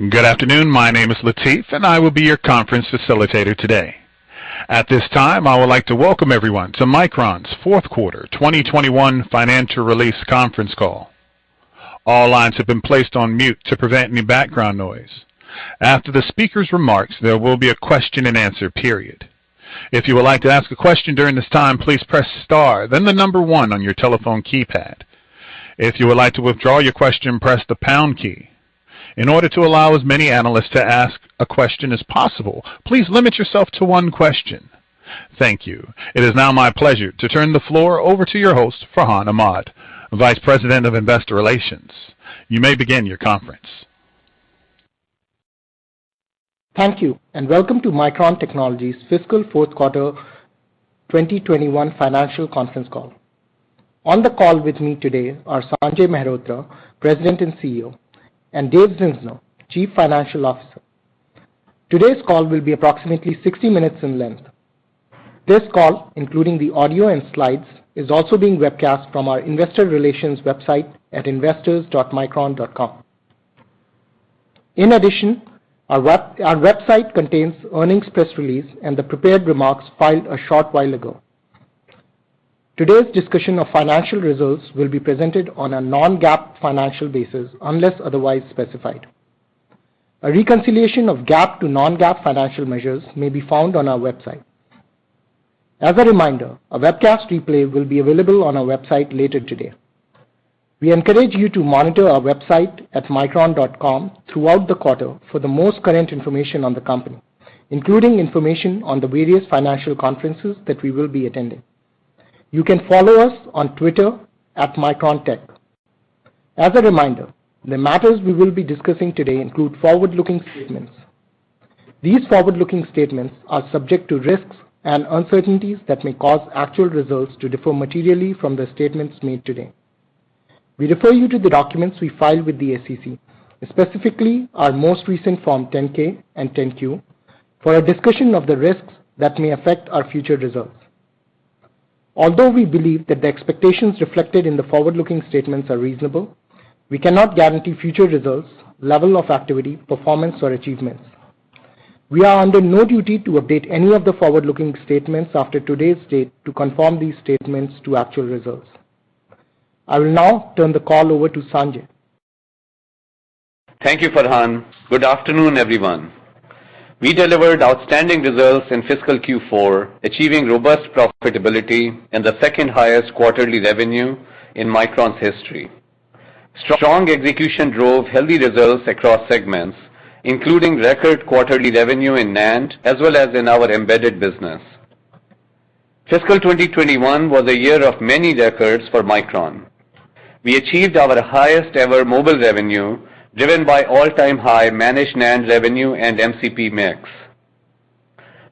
Good afternoon. My name is Latif, and I will be your conference facilitator today. At this time, I would like to welcome everyone to Micron's fourth quarter 2021 financial release conference call. All lines have been placed on mute to prevent any background noise. After the speakers' remarks, there will be a question-and-answer period. If you would like to ask a question during this time, please press star, then the number one on your telephone keypad. If you would like to withdraw your question, press the pound key. In order to allow as many analysts to ask a question as possible, please limit yourself to one question. Thank you. It is now my pleasure to turn the floor over to your host, Farhan Ahmad, Vice President of Investor Relations. You may begin your conference. Thank you, and welcome to Micron Technology's fiscal fourth quarter 2021 financial conference call. On the call with me today are Sanjay Mehrotra, President and CEO, and Dave Zinsner, Chief Financial Officer. Today's call will be approximately 60 minutes in length. This call, including the audio and slides, is also being webcast from our investor relations website at investors.micron.com. In addition, our website contains earnings press release and the prepared remarks filed a short while ago. Today's discussion of financial results will be presented on a non-GAAP financial basis, unless otherwise specified. A reconciliation of GAAP to non-GAAP financial measures may be found on our website. As a reminder, a webcast replay will be available on our website later today. We encourage you to monitor our website at micron.com throughout the quarter for the most current information on the company, including information on the various financial conferences that we will be attending. You can follow us on Twitter at MicronTech. As a reminder, the matters we will be discussing today include forward-looking statements. These forward-looking statements are subject to risks and uncertainties that may cause actual results to differ materially from the statements made today. We refer you to the documents we filed with the SEC, specifically our most recent Form 10-K and 10-Q, for a discussion of the risks that may affect our future results. Although we believe that the expectations reflected in the forward-looking statements are reasonable, we cannot guarantee future results, level of activity, performance, or achievements. We are under no duty to update any of the forward-looking statements after today's date to confirm these statements to actual results. I will now turn the call over to Sanjay. Thank you, Farhan. Good afternoon, everyone. We delivered outstanding results in fiscal Q4, achieving robust profitability and the second highest quarterly revenue in Micron's history. Strong execution drove healthy results across segments, including record quarterly revenue in NAND as well as in our Embedded Business. Fiscal 2021 was a year of many records for Micron. We achieved our highest ever mobile revenue, driven by all-time high managed NAND revenue and MCP mix.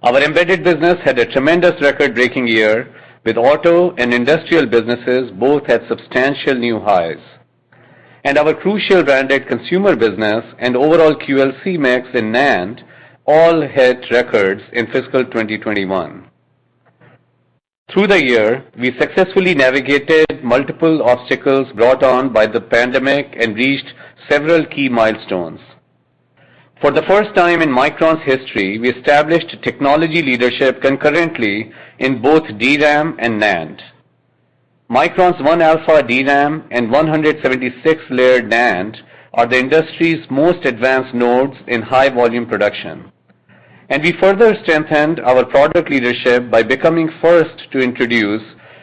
Our Embedded Business had a tremendous record-breaking year, with auto and industrial businesses both at substantial new highs. Our Crucial branded consumer business and overall QLC mix in NAND all hit records in fiscal 2021. Through the year, we successfully navigated multiple obstacles brought on by the pandemic and reached several key milestones. For the first time in Micron's history, we established technology leadership concurrently in both DRAM and NAND. Micron's 1-alpha DRAM and 176-layer NAND are the industry's most advanced nodes in high volume production. We further strengthened our product leadership by becoming first to introduce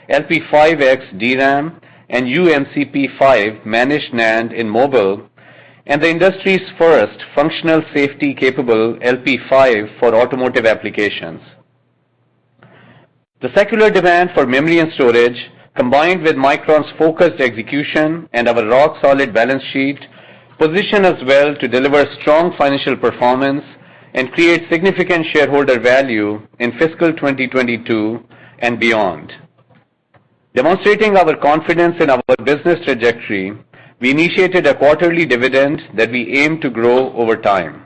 LPDDR5X DRAM and uMCP5 managed NAND in mobile, and the industry's first functional safety capable LPDDR5 for automotive applications. The secular demand for memory and storage, combined with Micron's focused execution and our rock-solid balance sheet, position us well to deliver strong financial performance and create significant shareholder value in fiscal 2022 and beyond. Demonstrating our confidence in our business trajectory, we initiated a quarterly dividend that we aim to grow over time.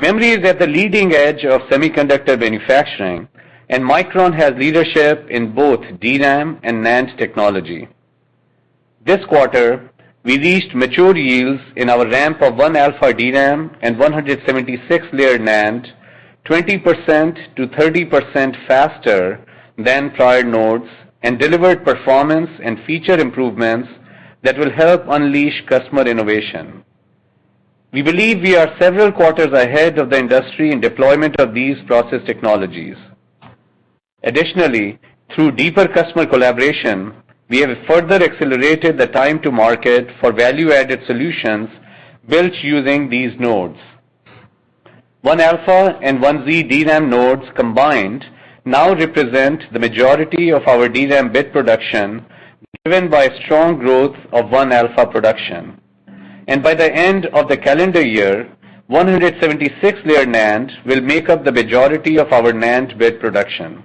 Memory is at the leading edge of semiconductor manufacturing, and Micron has leadership in both DRAM and NAND technology. This quarter, we reached mature yields in our ramp of 1-alpha DRAM and 176-layer NAND 20%-30% faster than prior nodes and delivered performance and feature improvements that will help unleash customer innovation. We believe we are several quarters ahead of the industry in deployment of these process technologies. Additionally, through deeper customer collaboration, we have further accelerated the time to market for value-added solutions built using these nodes. 1-alpha and 1Z DRAM nodes combined now represent the majority of our DRAM bit production, driven by strong growth of 1-alpha production. By the end of the calendar year, 176-layer NAND will make up the majority of our NAND bit production.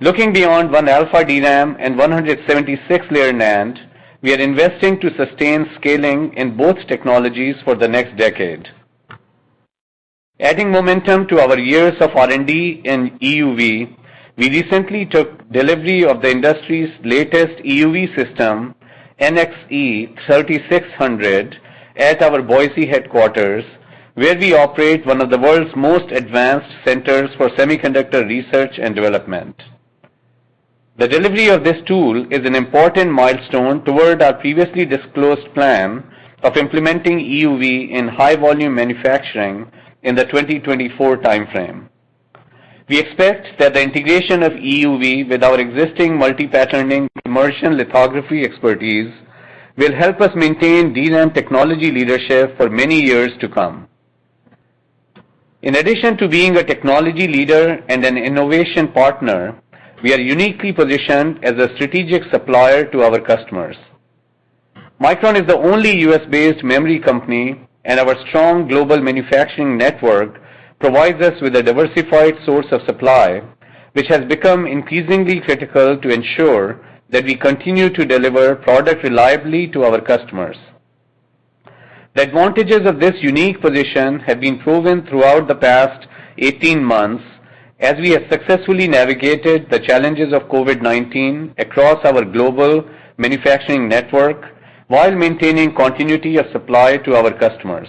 Looking beyond 1-alpha DRAM and 176-layer NAND, we are investing to sustain scaling in both technologies for the next decade. Adding momentum to our years of R&D in EUV, we recently took delivery of the industry's latest EUV system, NXE 3600, at our Boise headquarters, where we operate one of the world's most advanced centers for semiconductor research and development. The delivery of this tool is an important milestone toward our previously disclosed plan of implementing EUV in high volume manufacturing in the 2024 timeframe. We expect that the integration of EUV with our existing multi-patterning immersion lithography expertise will help us maintain DRAM technology leadership for many years to come. In addition to being a technology leader and an innovation partner, we are uniquely positioned as a strategic supplier to our customers. Micron is the only U.S.-based memory company, and our strong global manufacturing network provides us with a diversified source of supply, which has become increasingly critical to ensure that we continue to deliver product reliably to our customers. The advantages of this unique position have been proven throughout the past 18 months as we have successfully navigated the challenges of COVID-19 across our global manufacturing network while maintaining continuity of supply to our customers.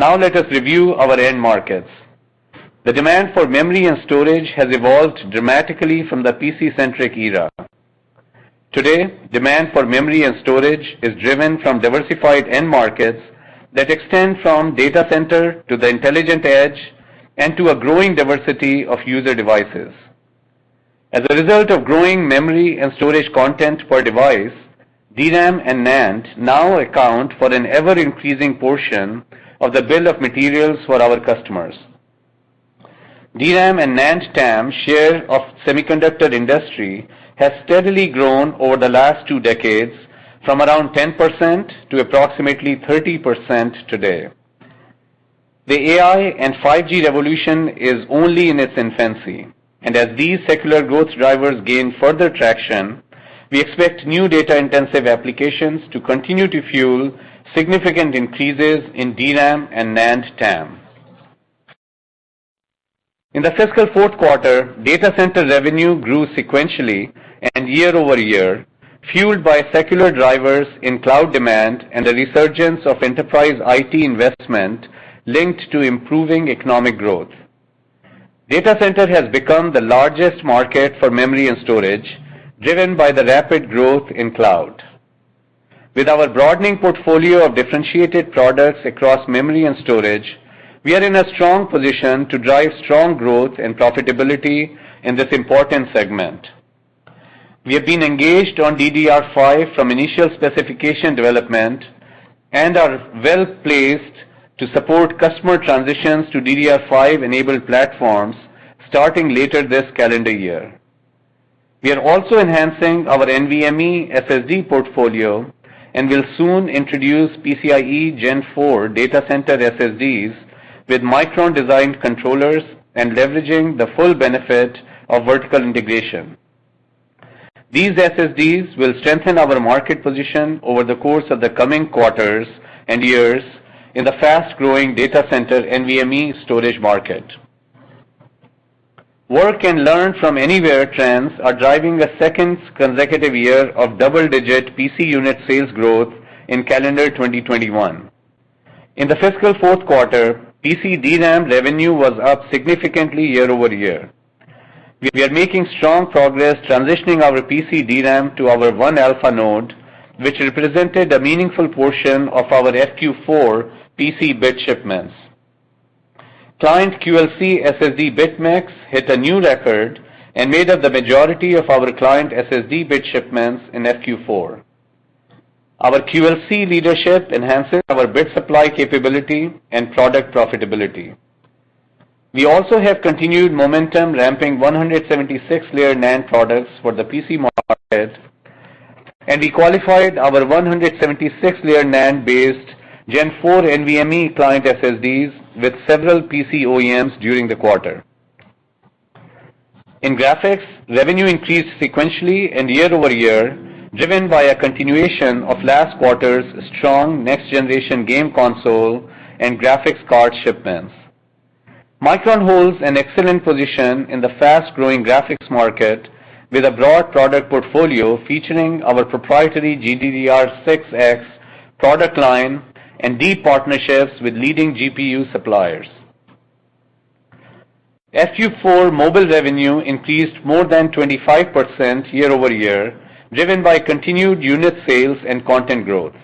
Let us review our end markets. The demand for memory and storage has evolved dramatically from the PC centric era. Today, demand for memory and storage is driven from diversified end markets that extend from data center to the intelligent edge and to a growing diversity of user devices. As a result of growing memory and storage content per device, DRAM and NAND now account for an ever-increasing portion of the bill of materials for our customers. DRAM and NAND TAM share of semiconductor industry has steadily grown over the last two decades from around 10% to approximately 30% today. The AI and 5G revolution is only in its infancy, and as these secular growth drivers gain further traction, we expect new data-intensive applications to continue to fuel significant increases in DRAM and NAND TAM. In the fiscal fourth quarter, data center revenue grew sequentially and year-over-year, fueled by secular drivers in cloud demand and a resurgence of enterprise IT investment linked to improving economic growth. Data center has become the largest market for memory and storage, driven by the rapid growth in cloud. With our broadening portfolio of differentiated products across memory and storage, we are in a strong position to drive strong growth and profitability in this important segment. We have been engaged on DDR5 from initial specification development and are well placed to support customer transitions to DDR5 enabled platforms starting later this calendar year. We are also enhancing our NVMe SSD portfolio and will soon introduce PCIe Gen4 data center SSDs with Micron designed controllers and leveraging the full benefit of vertical integration. These SSDs will strengthen our market position over the course of the coming quarters and years in the fast-growing data center NVMe storage market. Work and learn from anywhere trends are driving a second consecutive year of double-digit PC unit sales growth in calendar 2021. In the fiscal fourth quarter, PC DRAM revenue was up significantly year-over-year. We are making strong progress transitioning our PC DRAM to our 1-alpha node, which represented a meaningful portion of our FQ4 PC bit shipments. Client QLC SSD bit mix hit a new record and made up the majority of our client SSD bit shipments in FQ4. Our QLC leadership enhances our bit supply capability and product profitability. We also have continued momentum ramping 176-layer NAND products for the PC market. We qualified our 176-layer NAND based Gen4 NVMe client SSDs with several PC OEMs during the quarter. In graphics, revenue increased sequentially and year-over-year, driven by a continuation of last quarter's strong next generation game console and graphics card shipments. Micron holds an excellent position in the fast-growing graphics market with a broad product portfolio featuring our proprietary GDDR6X product line and deep partnerships with leading GPU suppliers. FQ4 mobile revenue increased more than 25% year-over-year, driven by continued unit sales and content growth.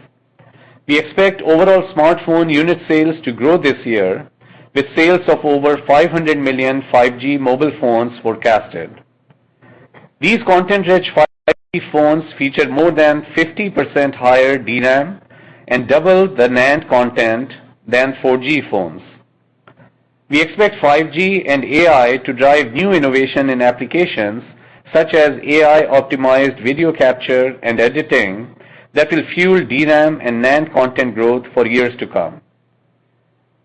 We expect overall smartphone unit sales to grow this year, with sales of over 500 million 5G mobile phones forecasted. These content-rich 5G phones feature more than 50% higher DRAM and double the NAND content than 4G phones. We expect 5G and AI to drive new innovation in applications such as AI optimized video capture and editing that will fuel DRAM and NAND content growth for years to come.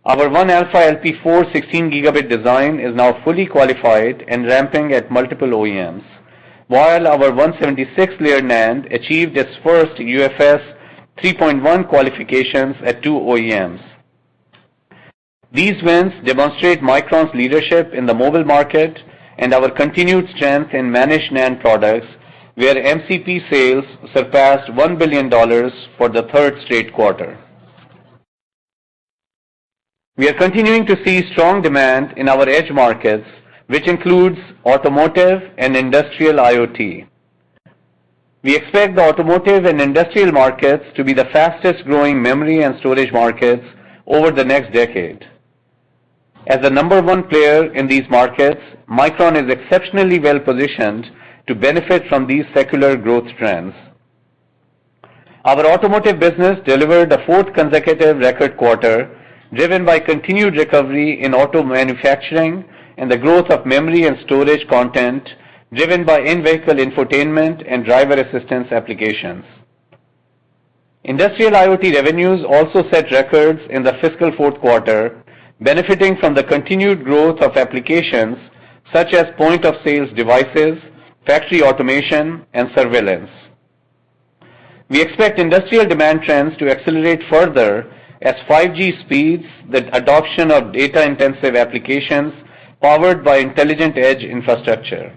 Our 1-alpha LPDDR4 16 Gb design is now fully qualified and ramping at multiple OEMs. While our 176-layer NAND achieved its first UFS 3.1 qualifications at two OEMs. These wins demonstrate Micron's leadership in the mobile market and our continued strength in managed NAND products, where MCP sales surpassed $1 billion for the third straight quarter. We are continuing to see strong demand in our edge markets, which includes automotive and industrial IoT. We expect the automotive and industrial markets to be the fastest-growing memory and storage markets over the next decade. As the number one player in these markets, Micron is exceptionally well-positioned to benefit from these secular growth trends. Our automotive business delivered a fourth consecutive record quarter, driven by continued recovery in auto manufacturing and the growth of memory and storage content, driven by in-vehicle infotainment and driver assistance applications. Industrial IoT revenues also set records in the fiscal fourth quarter, benefiting from the continued growth of applications such as point-of-sales devices, factory automation, and surveillance. We expect industrial demand trends to accelerate further as 5G speeds the adoption of data-intensive applications powered by intelligent edge infrastructure.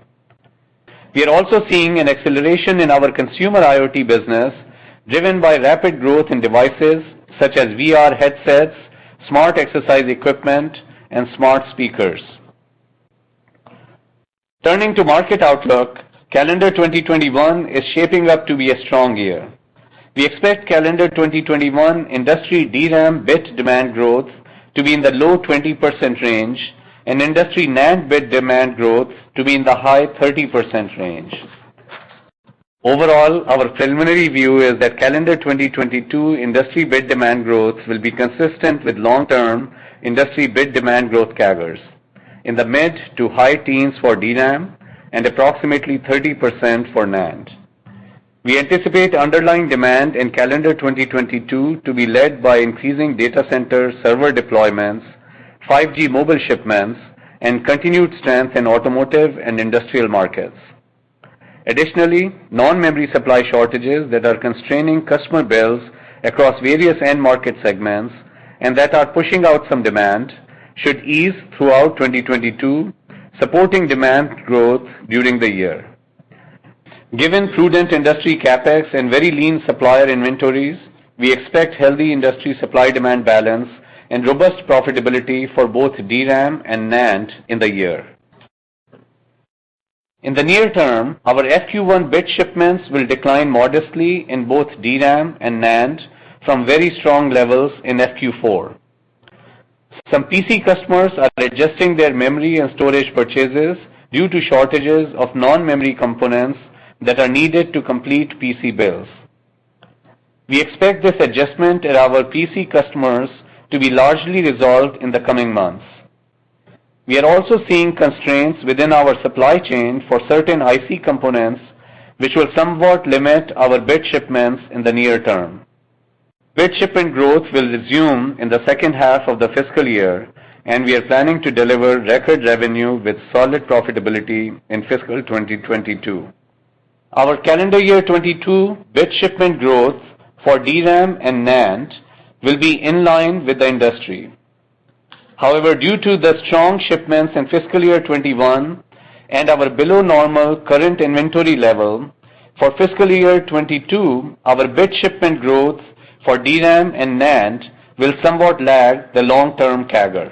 We are also seeing an acceleration in our consumer IoT business, driven by rapid growth in devices such as VR headsets, smart exercise equipment, and smart speakers. Turning to market outlook, calendar 2021 is shaping up to be a strong year. We expect calendar 2021 industry DRAM bit demand growth to be in the low 20% range and industry NAND bit demand growth to be in the high 30% range. Overall, our preliminary view is that calendar 2022 industry bit demand growth will be consistent with long-term industry bit demand growth CAGRs, in the mid to high teens for DRAM and approximately 30% for NAND. We anticipate underlying demand in calendar 2022 to be led by increasing data center server deployments, 5G mobile shipments, and continued strength in automotive and industrial markets. Non-memory supply shortages that are constraining customer builds across various end market segments and that are pushing out some demand should ease throughout 2022, supporting demand growth during the year. Given prudent industry CapEx and very lean supplier inventories, we expect healthy industry supply-demand balance and robust profitability for both DRAM and NAND in the year. In the near term, our FQ1 bit shipments will decline modestly in both DRAM and NAND from very strong levels in Q4. Some PC customers are adjusting their memory and storage purchases due to shortages of non-memory components that are needed to complete PC builds. We expect this adjustment at our PC customers to be largely resolved in the coming months. We are also seeing constraints within our supply chain for certain IC components, which will somewhat limit our bit shipments in the near term. Bit shipment growth will resume in the second half of the fiscal year, and we are planning to deliver record revenue with solid profitability in fiscal 2022. Our calendar year 2022 bit shipment growth for DRAM and NAND will be in line with the industry. However, due to the strong shipments in fiscal year 2021 and our below-normal current inventory level, for fiscal year 2022, our bit shipment growth for DRAM and NAND will somewhat lag the long-term CAGR.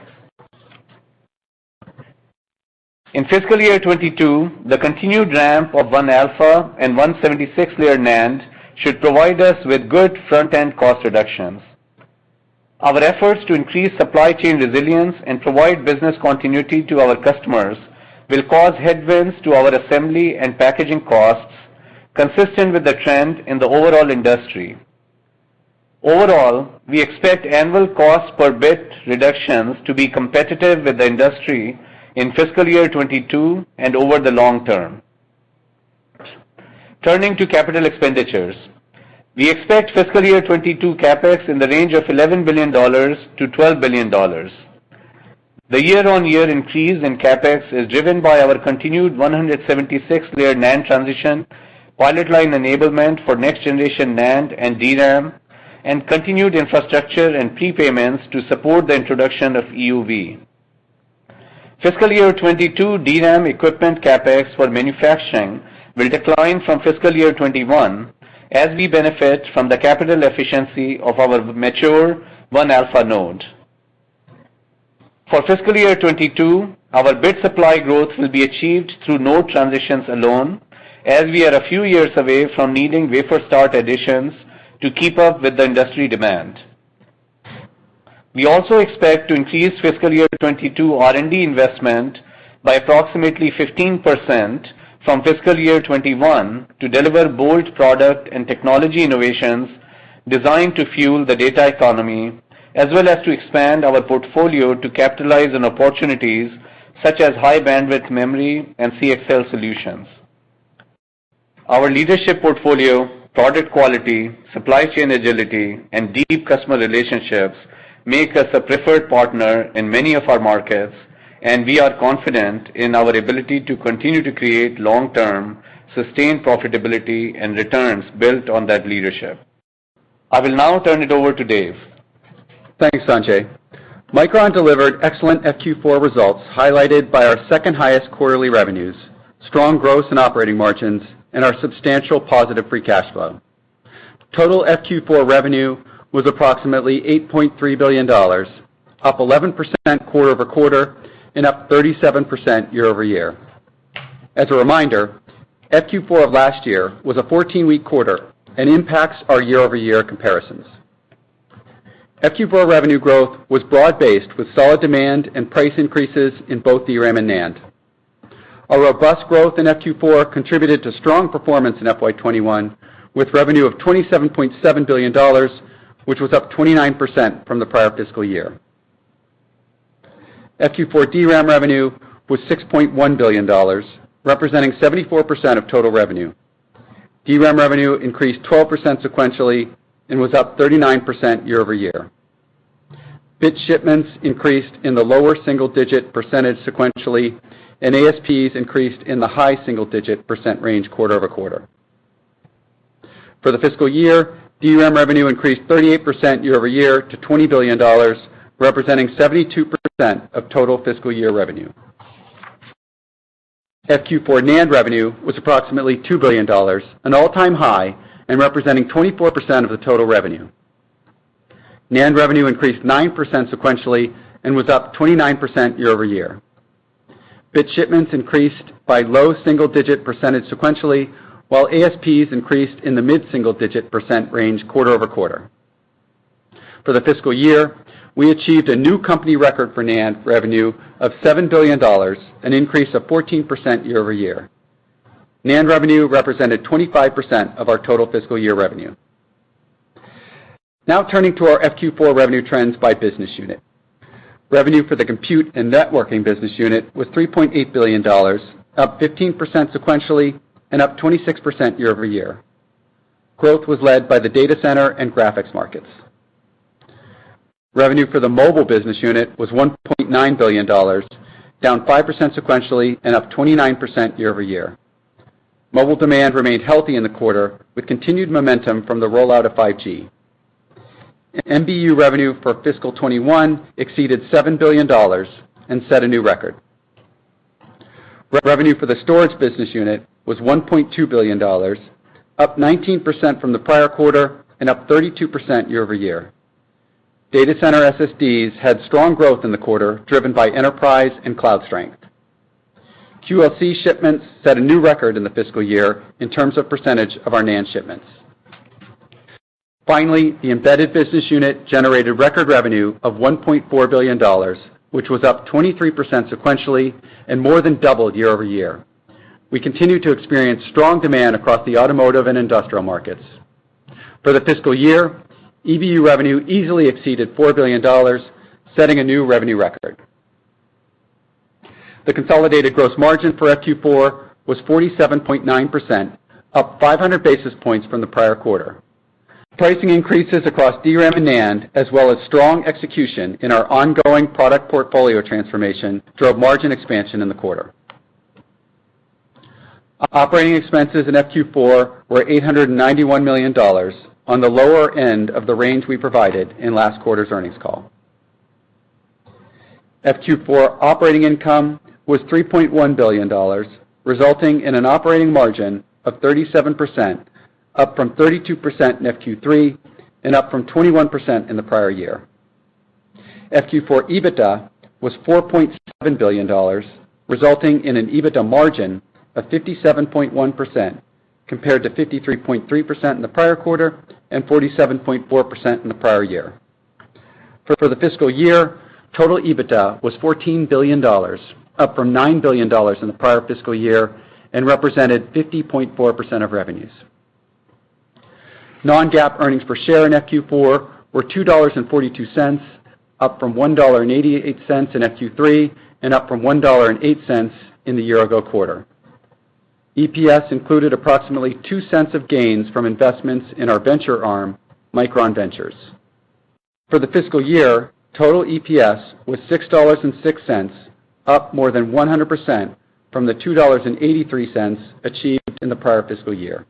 In fiscal year 2022, the continued ramp of 1-alpha and 176-layer NAND should provide us with good front-end cost reductions. Our efforts to increase supply chain resilience and provide business continuity to our customers will cause headwinds to our assembly and packaging costs, consistent with the trend in the overall industry. Overall, we expect annual cost per bit reductions to be competitive with the industry in fiscal year 2022 and over the long term. Turning to capital expenditures, we expect fiscal year 2022 CapEx in the range of $11 billion-$12 billion. The year-on-year increase in CapEx is driven by our continued 176-layer NAND transition, pilot line enablement for next-generation NAND and DRAM, and continued infrastructure and prepayments to support the introduction of EUV. Fiscal year 2022 DRAM equipment CapEx for manufacturing will decline from fiscal year 2021 as we benefit from the capital efficiency of our mature 1-alpha node. For fiscal year 2022, our bit supply growth will be achieved through node transitions alone, as we are a few years away from needing wafer start additions to keep up with the industry demand. We also expect to increase fiscal year 2022 R&D investment by approximately 15% from fiscal year 2021 to deliver bold product and technology innovations designed to fuel the data economy, as well as to expand our portfolio to capitalize on opportunities such as high-bandwidth memory and CXL solutions. Our leadership portfolio, product quality, supply chain agility, and deep customer relationships make us a preferred partner in many of our markets, and we are confident in our ability to continue to create long-term, sustained profitability and returns built on that leadership. I will now turn it over to Dave. Thanks, Sanjay. Micron delivered excellent FQ4 results, highlighted by our 2nd highest quarterly revenues, strong gross and operating margins, and our substantial positive free cash flow. Total FQ4 revenue was approximately $8.3 billion, up 11% quarter-over-quarter and up 37% year-over-year. As a reminder, FQ4 of last year was a 14-week quarter and impacts our year-over-year comparisons. FQ4 revenue growth was broad-based, with solid demand and price increases in both DRAM and NAND. Our robust growth in FQ4 contributed to strong performance in FY 2021, with revenue of $27.7 billion, which was up 29% from the prior fiscal year. FQ4 DRAM revenue was $6.1 billion, representing 74% of total revenue. DRAM revenue increased 12% sequentially and was up 39% year-over-year. Bit shipments increased in the lower single-digit percentage sequentially, and ASPs increased in the high single-digit percent range quarter-over-quarter. For the fiscal year, DRAM revenue increased 38% year-over-year to $20 billion, representing 72% of total fiscal year revenue. FQ4 NAND revenue was approximately $2 billion, an all-time high and representing 24% of the total revenue. NAND revenue increased 9% sequentially and was up 29% year-over-year. Bit shipments increased by low single-digit percentage sequentially, while ASPs increased in the mid-single-digit percent range quarter-over-quarter. For the fiscal year, we achieved a new company record for NAND revenue of $7 billion, an increase of 14% year-over-year. NAND revenue represented 25% of our total fiscal year revenue. Turning to our FQ4 revenue trends by business unit. Revenue for the Compute and Networking Business Unit was $3.8 billion, up 15% sequentially and up 26% year-over-year. Growth was led by the data center and graphics markets. Revenue for the Mobile Business Unit was $1.9 billion, down 5% sequentially and up 29% year-over-year. Mobile demand remained healthy in the quarter, with continued momentum from the rollout of 5G. MBU revenue for fiscal 2021 exceeded $7 billion and set a new record. Revenue for the Storage Business Unit was $1.2 billion, up 19% from the prior quarter and up 32% year-over-year. Data center SSDs had strong growth in the quarter, driven by enterprise and cloud strength. QLC shipments set a new record in the fiscal year in terms of percentage of our NAND shipments. Finally, the Embedded Business Unit generated record revenue of $1.4 billion, which was up 23% sequentially and more than doubled year-over-year. We continue to experience strong demand across the automotive and industrial markets. For the fiscal year, EBU revenue easily exceeded $4 billion, setting a new revenue record. The consolidated gross margin for FQ4 was 47.9%, up 500 basis points from the prior quarter. Pricing increases across DRAM and NAND, as well as strong execution in our ongoing product portfolio transformation, drove margin expansion in the quarter. Operating expenses in FQ4 were $891 million, on the lower end of the range we provided in last quarter's earnings call. FQ4 operating income was $3.1 billion, resulting in an operating margin of 37%, up from 32% in FQ3 and up from 21% in the prior year. FQ4 EBITDA was $4.7 billion, resulting in an EBITDA margin of 57.1%, compared to 53.3% in the prior quarter and 47.4% in the prior year. For the fiscal year, total EBITDA was $14 billion, up from $9 billion in the prior fiscal year and represented 50.4% of revenues. Non-GAAP earnings per share in FQ4 were $2.42, up from $1.88 in FQ3 and up from $1.08 in the year-ago quarter. EPS included approximately $0.02 of gains from investments in our venture arm, Micron Ventures. For the fiscal year, total EPS was $6.06, up more than 100% from the $2.83 achieved in the prior fiscal year.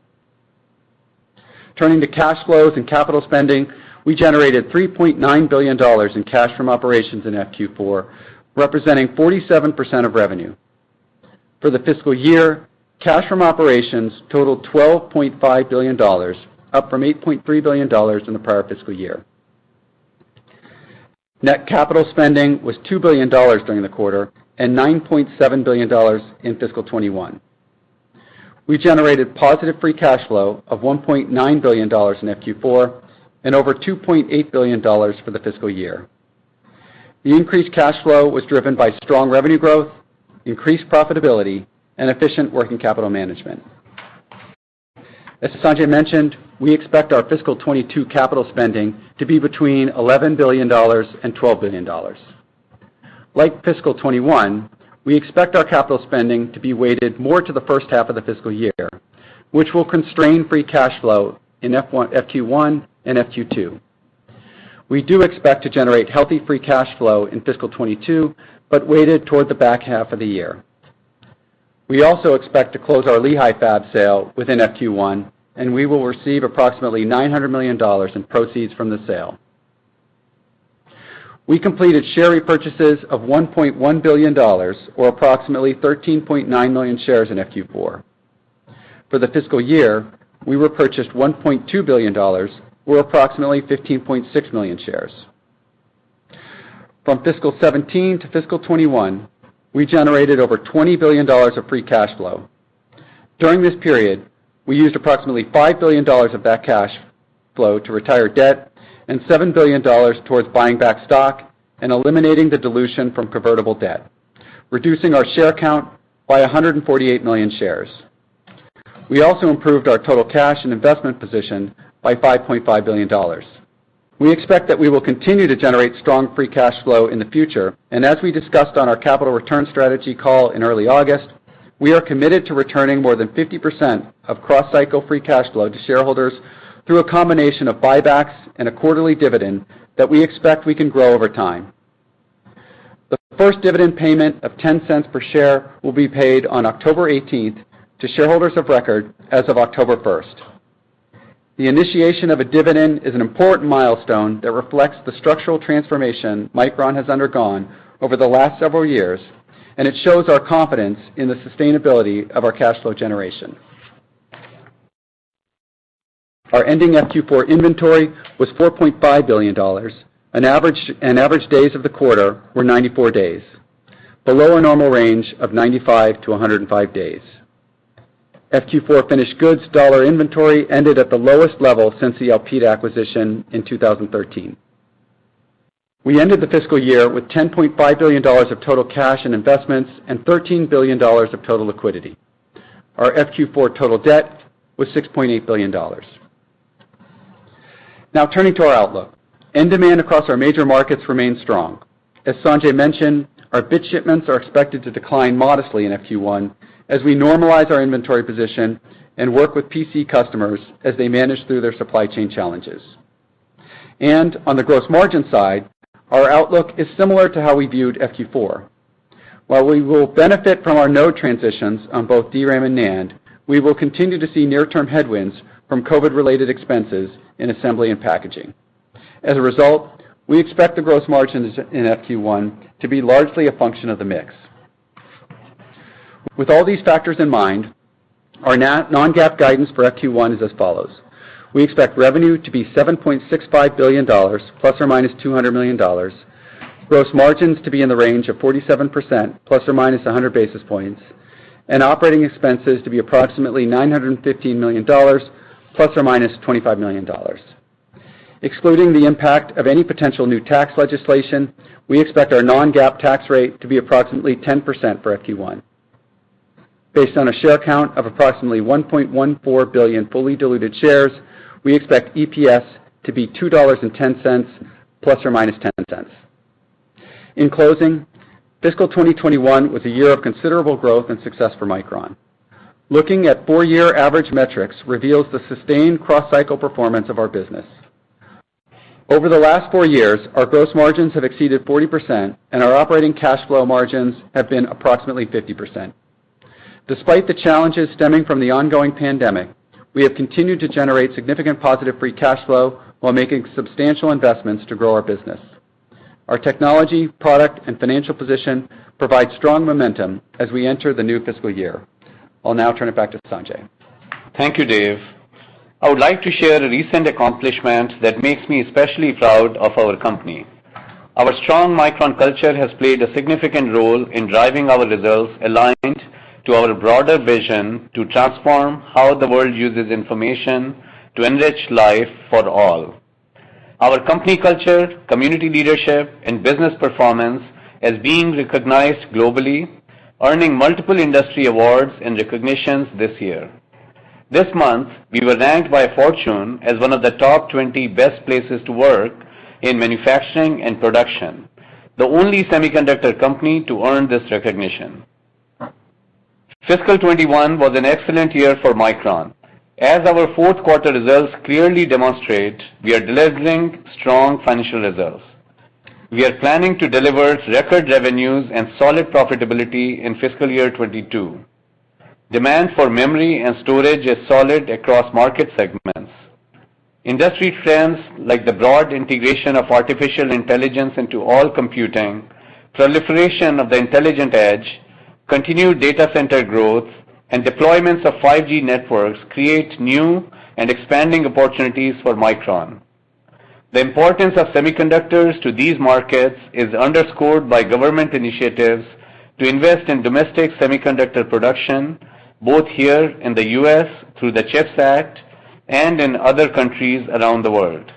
Turning to cash flows and capital spending, we generated $3.9 billion in cash from operations in FQ4, representing 47% of revenue. For the fiscal year, cash from operations totaled $12.5 billion, up from $8.3 billion in the prior fiscal year. Net capital spending was $2 billion during the quarter and $9.7 billion in fiscal 2021. We generated positive free cash flow of $1.9 billion in FQ4 and over $2.8 billion for the fiscal year. The increased cash flow was driven by strong revenue growth, increased profitability, and efficient working capital management. As Sanjay Mehrotra mentioned, we expect our fiscal 2022 capital spending to be between $11 billion and $12 billion. Like fiscal 2021, we expect our capital spending to be weighted more to the first half of the fiscal year, which will constrain free cash flow in FQ1 and FQ2. We do expect to generate healthy free cash flow in fiscal 2022, weighted toward the back half of the year. We also expect to close our Lehi fab sale within FQ1. We will receive approximately $900 million in proceeds from the sale. We completed share repurchases of $1.1 billion, or approximately 13.9 million shares in FQ4. For the fiscal year, we repurchased $1.2 billion, or approximately 15.6 million shares. From fiscal 2017 to fiscal 2021, we generated over $20 billion of free cash flow. During this period, we used approximately $5 billion of that cash flow to retire debt and $7 billion towards buying back stock and eliminating the dilution from convertible debt, reducing our share count by 148 million shares. We also improved our total cash and investment position by $5.5 billion. We expect that we will continue to generate strong free cash flow in the future, and as we discussed on our capital return strategy call in early August, we are committed to returning more than 50% of cross-cycle free cash flow to shareholders through a combination of buybacks and a quarterly dividend that we expect we can grow over time. The first dividend payment of $0.10 per share will be paid on October 18th to shareholders of record as of October 1st. The initiation of a dividend is an important milestone that reflects the structural transformation Micron has undergone over the last several years, and it shows our confidence in the sustainability of our cash flow generation. Our ending FQ4 inventory was $4.5 billion, and average days of the quarter were 94 days, below a normal range of 95-105 days. FQ4 finished goods dollar inventory ended at the lowest level since the Elpida acquisition in 2013. We ended the fiscal year with $10.5 billion of total cash and investments and $13 billion of total liquidity. Our FQ4 total debt was $6.8 billion. Now turning to our outlook. End demand across our major markets remains strong. As Sanjay mentioned, our bit shipments are expected to decline modestly in FQ1 as we normalize our inventory position and work with PC customers as they manage through their supply chain challenges. On the gross margin side, our outlook is similar to how we viewed FQ4. While we will benefit from our node transitions on both DRAM and NAND, we will continue to see near-term headwinds from COVID-related expenses in assembly and packaging. As a result, we expect the gross margins in FQ1 to be largely a function of the mix. With all these factors in mind, our non-GAAP guidance for FQ1 is as follows. We expect revenue to be $7.65 billion, ±$200 million, gross margins to be in the range of 47%, ±100 basis points, and operating expenses to be approximately $915 million, ±$25 million. Excluding the impact of any potential new tax legislation, we expect our non-GAAP tax rate to be approximately 10% for FQ1. Based on a share count of approximately 1.14 billion fully diluted shares, we expect EPS to be $2.10, ±$0.10. In closing, fiscal 2021 was a year of considerable growth and success for Micron. Looking at four-year average metrics reveals the sustained cross-cycle performance of our business. Over the last four years, our gross margins have exceeded 40%, and our operating cash flow margins have been approximately 50%. Despite the challenges stemming from the ongoing pandemic, we have continued to generate significant positive free cash flow while making substantial investments to grow our business. Our technology, product, and financial position provide strong momentum as we enter the new fiscal year. I'll now turn it back to Sanjay. Thank you, Dave. I would like to share a recent accomplishment that makes me especially proud of our company. Our strong Micron culture has played a significant role in driving our results aligned to our broader vision to transform how the world uses information to enrich life for all. Our company culture, community leadership, and business performance has been recognized globally, earning multiple industry awards and recognitions this year. This month, we were ranked by Fortune as one of the top 20 best places to work in manufacturing and production, the only semiconductor company to earn this recognition. Fiscal 2021 was an excellent year for Micron. As our fourth quarter results clearly demonstrate, we are delivering strong financial results. We are planning to deliver record revenues and solid profitability in fiscal year 2022. Demand for memory and storage is solid across market segments. Industry trends like the broad integration of artificial intelligence into all computing, proliferation of the intelligent edge, continued data center growth, and deployments of 5G networks create new and expanding opportunities for Micron. The importance of semiconductors to these markets is underscored by government initiatives to invest in domestic semiconductor production, both here in the U.S. through the CHIPS Act and in other countries around the world.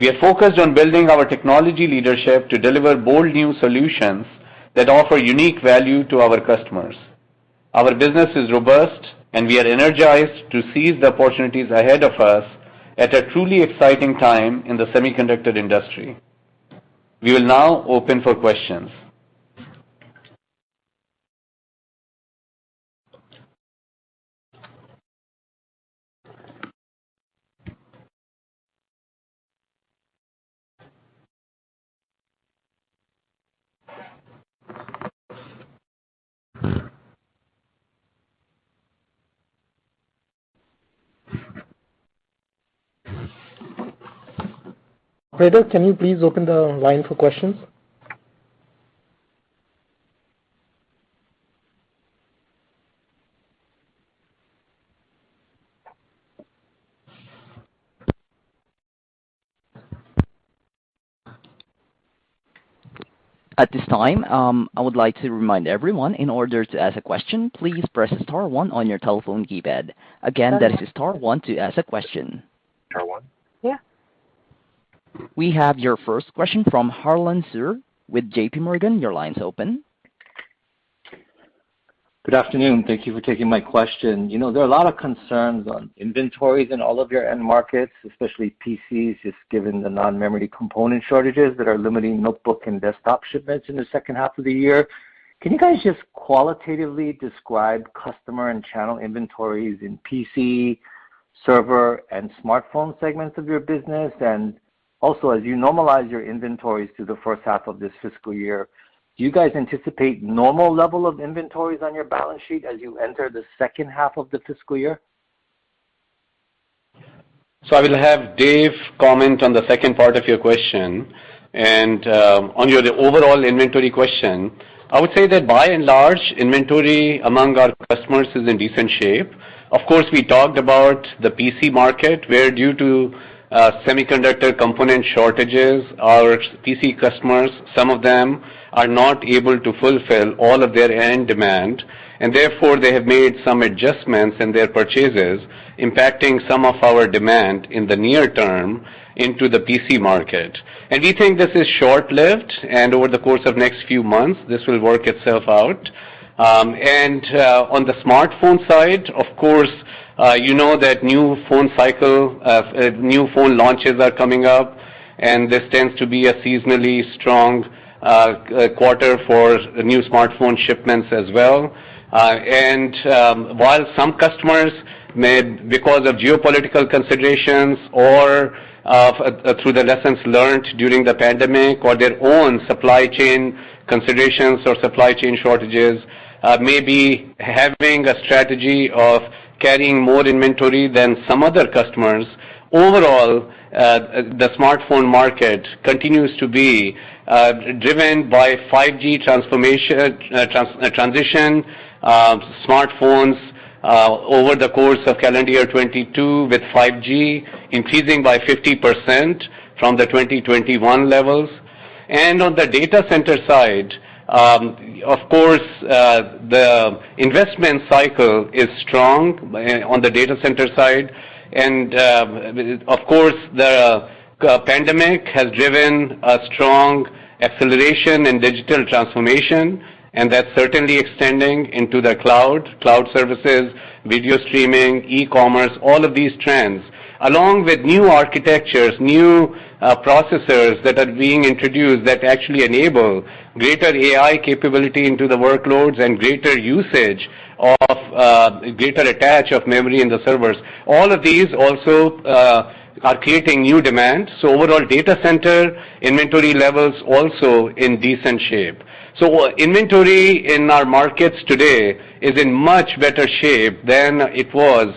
We are focused on building our technology leadership to deliver bold new solutions that offer unique value to our customers. Our business is robust, and we are energized to seize the opportunities ahead of us at a truly exciting time in the semiconductor industry. We will now open for questions. Operator, can you please open the line for questions? At this time, I would like to remind everyone, in order to ask a question, please press star one on your telephone keypad. Again, that is star one to ask a question. Star one? Yeah. We have your first question from Harlan Sur with JPMorgan. Your line's open. Good afternoon. Thank you for taking my question. There are a lot of concerns on inventories in all of your end markets, especially PCs, just given the non-memory component shortages that are limiting notebook and desktop shipments in the second half of the year. Can you guys just qualitatively describe customer and channel inventories in PC, server, and smartphone segments of your business? Also, as you normalize your inventories through the first half of this fiscal year, do you guys anticipate normal level of inventories on your balance sheet as you enter the second half of the fiscal year? I will have Dave comment on the second part of your question. On your overall inventory question, I would say that by and large, inventory among our customers is in decent shape. Of course, we talked about the PC market, where due to semiconductor component shortages, our PC customers, some of them are not able to fulfill all of their end demand, and therefore they have made some adjustments in their purchases, impacting some of our demand in the near term into the PC market. We think this is short-lived, and over the course of next few months, this will work itself out. On the smartphone side, of course, you know that new phone launches are coming up, and this tends to be a seasonally strong quarter for new smartphone shipments as well. While some customers may, because of geopolitical considerations or through the lessons learned during the pandemic or their own supply chain considerations or supply chain shortages, may be having a strategy of carrying more inventory than some other customers. Overall, the smartphone market continues to be driven by 5G transition, smartphones over the course of calendar year 2022, with 5G increasing by 50% from the 2021 levels. On the data center side, of course, the investment cycle is strong on the data center side. Of course, the pandemic has driven a strong acceleration in digital transformation, and that's certainly extending into the cloud services, video streaming, e-commerce, all of these trends, along with new architectures, new processors that are being introduced that actually enable greater AI capability into the workloads and greater usage of greater attach of memory in the servers. All of these also are creating new demand. Overall data center inventory levels also in decent shape. Inventory in our markets today is in much better shape than it was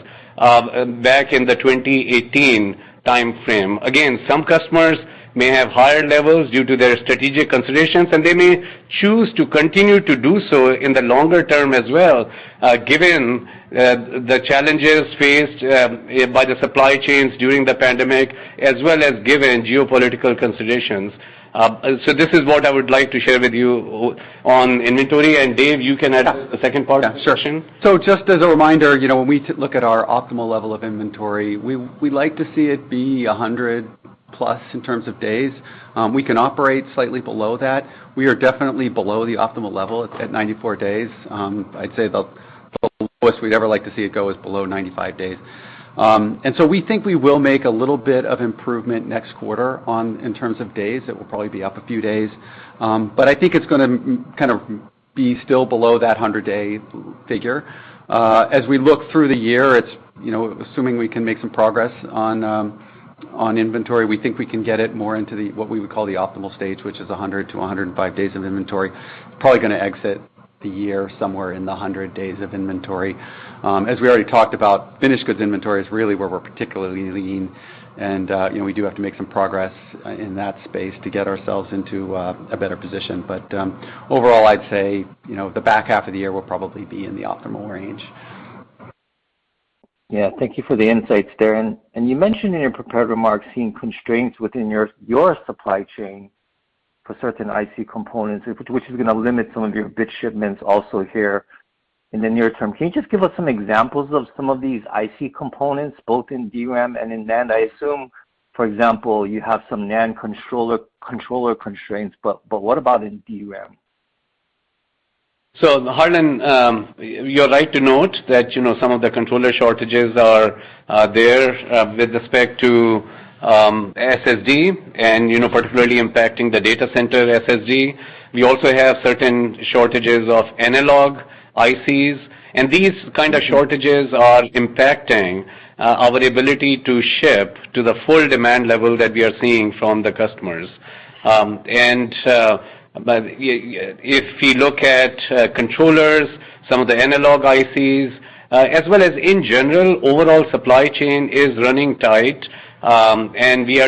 back in the 2018 timeframe. Again, some customers may have higher levels due to their strategic considerations, and they may choose to continue to do so in the longer term as well, given the challenges faced by the supply chains during the pandemic, as well as given geopolitical considerations. This is what I would like to share with you on inventory, and Dave, you can add the second part of the question. Yeah. Sure. Just as a reminder, when we look at our optimal level of inventory, we like to see it be 100+ in terms of days. We can operate slightly below that. We are definitely below the optimal level at 94 days. I'd say the lowest we'd ever like to see it go is below 95 days. We think we will make a little bit of improvement next quarter in terms of days. It will probably be up a few days. I think it's going to be still below that 100-day figure. As we look through the year, assuming we can make some progress on inventory, we think we can get it more into what we would call the optimal stage, which is 100-105 days of inventory. Probably going to exit the year somewhere in the 100 days of inventory. As we already talked about, finished goods inventory is really where we're particularly lean, and we do have to make some progress in that space to get ourselves into a better position. Overall, I'd say, the back half of the year will probably be in the optimal range. Yeah. Thank you for the insights there. You mentioned in your prepared remarks seeing constraints within your supply chain for certain IC components, which is going to limit some of your bit shipments also here in the near term. Can you just give us some examples of some of these IC components, both in DRAM and in NAND? I assume, for example, you have some NAND controller constraints, but what about in DRAM? Harlan, you're right to note that some of the controller shortages are there with respect to SSD and particularly impacting the data center SSD. We also have certain shortages of analog ICs, and these kind of shortages are impacting our ability to ship to the full demand level that we are seeing from the customers. If you look at controllers, some of the analog ICs, as well as in general, overall supply chain is running tight. We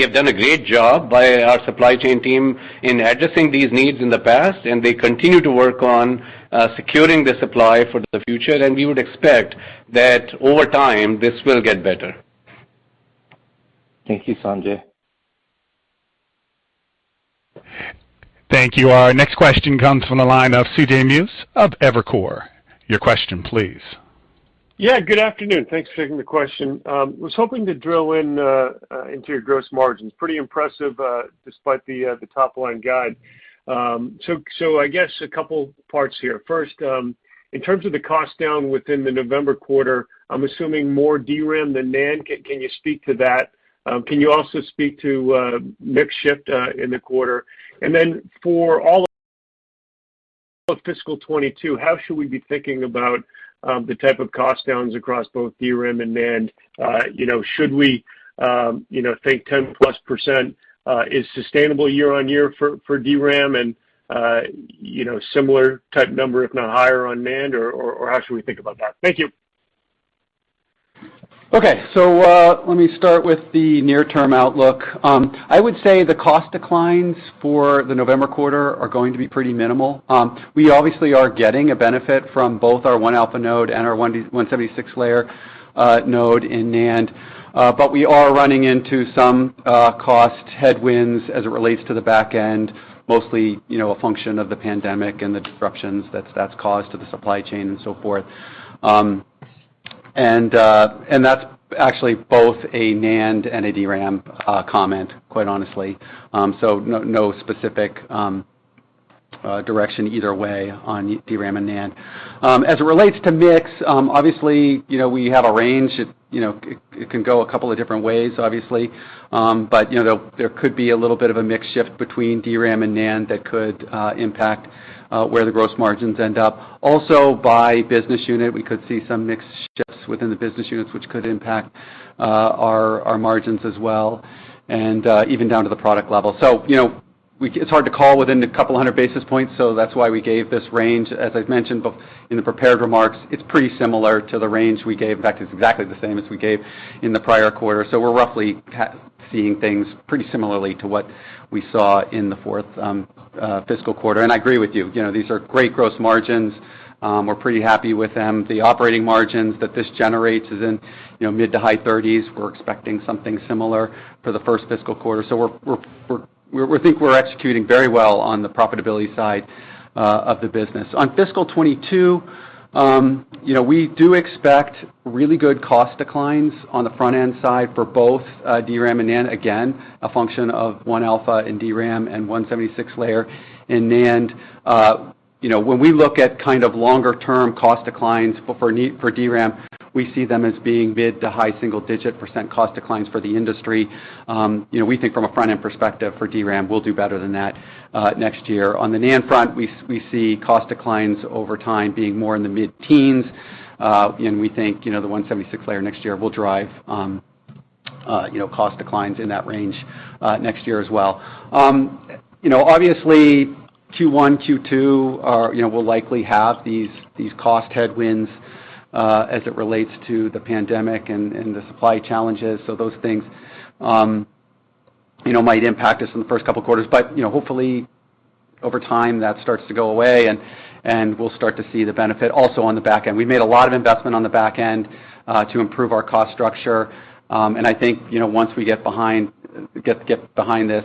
have done a great job by our supply chain team in addressing these needs in the past, and they continue to work on securing the supply for the future. We would expect that over time, this will get better. Thank you, Sanjay. Thank you. Our next question comes from the line of CJ Muse of Evercore. Your question please. Good afternoon. Thanks for taking the question. Was hoping to drill into your gross margins. Pretty impressive despite the top-line guide. I guess a couple parts here. First, in terms of the cost down within the November quarter, I'm assuming more DRAM than NAND. Can you speak to that? Can you also speak to mix shift in the quarter? For all of fiscal 2022, how should we be thinking about the type of cost downs across both DRAM and NAND? Should we think 10%+ is sustainable year-over-year for DRAM and similar type number, if not higher, on NAND, or how should we think about that? Thank you. Let me start with the near-term outlook. I would say the cost declines for the November quarter are going to be pretty minimal. We obviously are getting a benefit from both our 1-alpha node and our 176-layer node in NAND. We are running into some cost headwinds as it relates to the back end, mostly a function of the pandemic and the disruptions that's caused to the supply chain and so forth. That's actually both a NAND and a DRAM comment, quite honestly. No specific direction either way on DRAM and NAND. As it relates to mix, obviously, we have a range. It can go a couple of different ways, obviously. There could be a little bit of a mix shift between DRAM and NAND that could impact where the gross margins end up. By business unit, we could see some mix shifts within the business units, which could impact our margins as well, and even down to the product level. It's hard to call within a couple of hundred basis points, so that's why we gave this range. As I've mentioned in the prepared remarks, it's pretty similar to the range we gave. In fact, it's exactly the same as we gave in the prior quarter. We're roughly seeing things pretty similarly to what we saw in the fourth fiscal quarter. I agree with you. These are great gross margins. We're pretty happy with them. The operating margins that this generates is in mid to high 30%s. We're expecting something similar for the first fiscal quarter. We think we're executing very well on the profitability side of the business. On fiscal 2022, we do expect really good cost declines on the front-end side for both DRAM and NAND, again, a function of 1-alpha in DRAM and 176-layer in NAND. When we look at longer-term cost declines for DRAM, we see them as being mid- to high single-digit % cost declines for the industry. We think from a front-end perspective for DRAM, we'll do better than that next year. On the NAND front, we see cost declines over time being more in the mid-teens, and we think, the 176-layer next year will drive cost declines in that range next year as well. Obviously, Q1, Q2 will likely have these cost headwinds as it relates to the pandemic and the supply challenges. Those things might impact us in the first couple of quarters. Hopefully, over time, that starts to go away and we'll start to see the benefit also on the back end. We made a lot of investment on the back end to improve our cost structure. I think, once we get this behind us,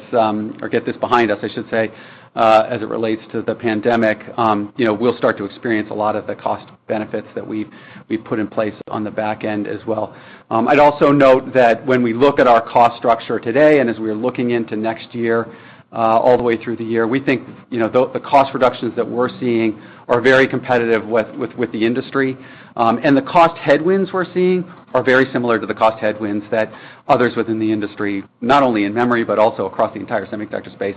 as it relates to the pandemic, we'll start to experience a lot of the cost benefits that we've put in place on the back end as well. I'd also note that when we look at our cost structure today, and as we're looking into next year, all the way through the year, we think, the cost reductions that we're seeing are very competitive with the industry. The cost headwinds we're seeing are very similar to the cost headwinds that others within the industry, not only in memory, but also across the entire semiconductor space,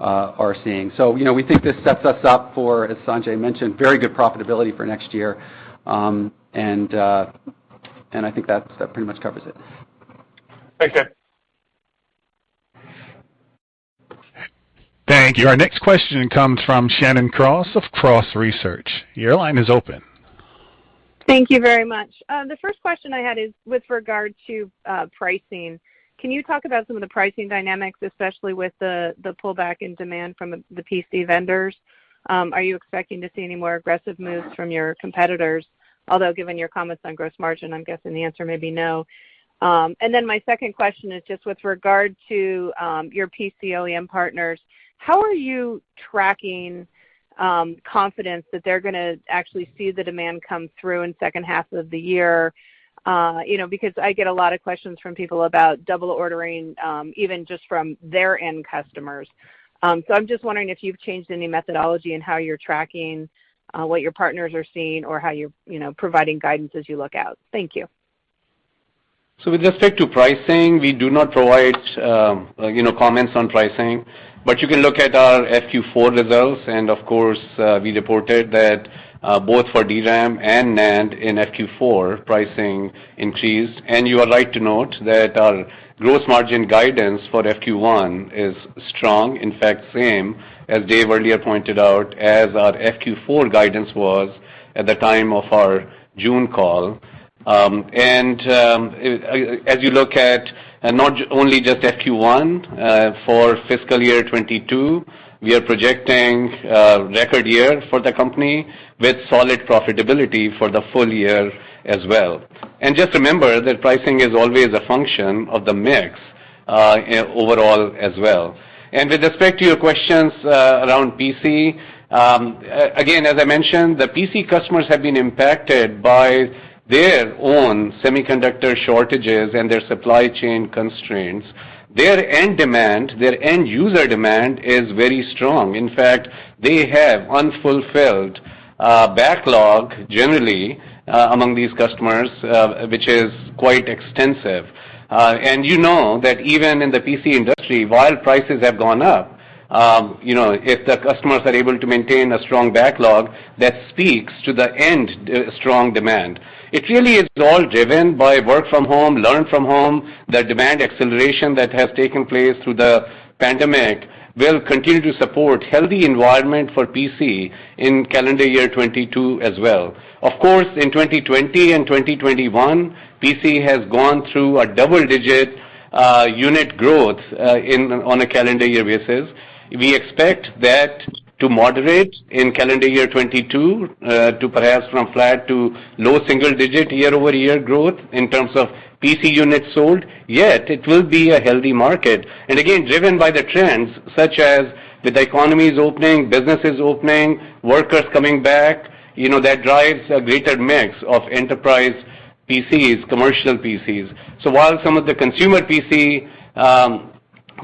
are seeing. We think this sets us up for, as Sanjay mentioned, very good profitability for next year. I think that pretty much covers it. Thanks, Dave. Thank you. Our next question comes from Shannon Cross of Cross Research. Your line is open. Thank you very much. The first question I had is with regard to pricing. Can you talk about some of the pricing dynamics, especially with the pullback in demand from the PC vendors? Are you expecting to see any more aggressive moves from your competitors? Although, given your comments on gross margin, I'm guessing the answer may be no. My second question is just with regard to your PC OEM partners, how are you tracking confidence that they're going to actually see the demand come through in second half of the year? Because I get a lot of questions from people about double ordering, even just from their end customers. I'm just wondering if you've changed any methodology in how you're tracking what your partners are seeing or how you're providing guidance as you look out. Thank you. With respect to pricing, we do not provide comments on pricing, but you can look at our FQ4 results, and of course, we reported that both for DRAM and NAND in FQ4, pricing increased. You are right to note that our gross margin guidance for FQ1 is strong. In fact, same, as Dave earlier pointed out, as our FQ4 guidance was at the time of our June call. As you look at not only just FQ1 for fiscal year 2022, we are projecting a record year for the company with solid profitability for the full year as well. Just remember that pricing is always a function of the mix overall as well. With respect to your questions around PC, again, as I mentioned, the PC customers have been impacted by their own semiconductor shortages and their supply chain constraints. Their end demand, their end user demand, is very strong. In fact, they have unfulfilled backlog, generally, among these customers, which is quite extensive. You know that even in the PC industry, while prices have gone up, if the customers are able to maintain a strong backlog, that speaks to the end strong demand. It really is all driven by work from home, learn from home. The demand acceleration that has taken place through the pandemic will continue to support healthy environment for PC in calendar year 2022 as well. Of course, in 2020 and 2021, PC has gone through a double-digit unit growth on a calendar year basis. We expect that to moderate in calendar year 2022 to perhaps from flat to low single digit year-over-year growth in terms of PC units sold, yet it will be a healthy market. Again, driven by the trends such as with economies opening, businesses opening, workers coming back, that drives a greater mix of enterprise PCs, commercial PCs. While some of the consumer PC,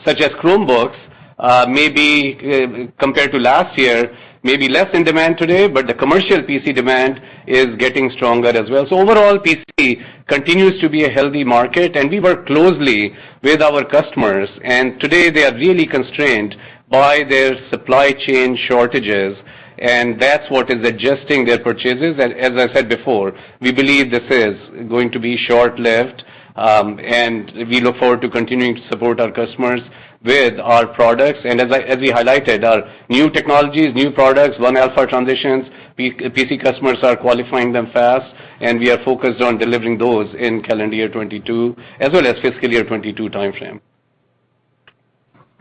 such as Chromebooks, compared to last year, may be less in demand today, but the commercial PC demand is getting stronger as well. Overall, PC continues to be a healthy market, and we work closely with our customers, and today they are really constrained by their supply chain shortages, and that's what is adjusting their purchases. As I said before, we believe this is going to be short-lived, and we look forward to continuing to support our customers with our products. As we highlighted, our new technologies, new products, 1-alpha transitions, PC customers are qualifying them fast, and we are focused on delivering those in calendar year 2022, as well as fiscal year 2022 timeframe.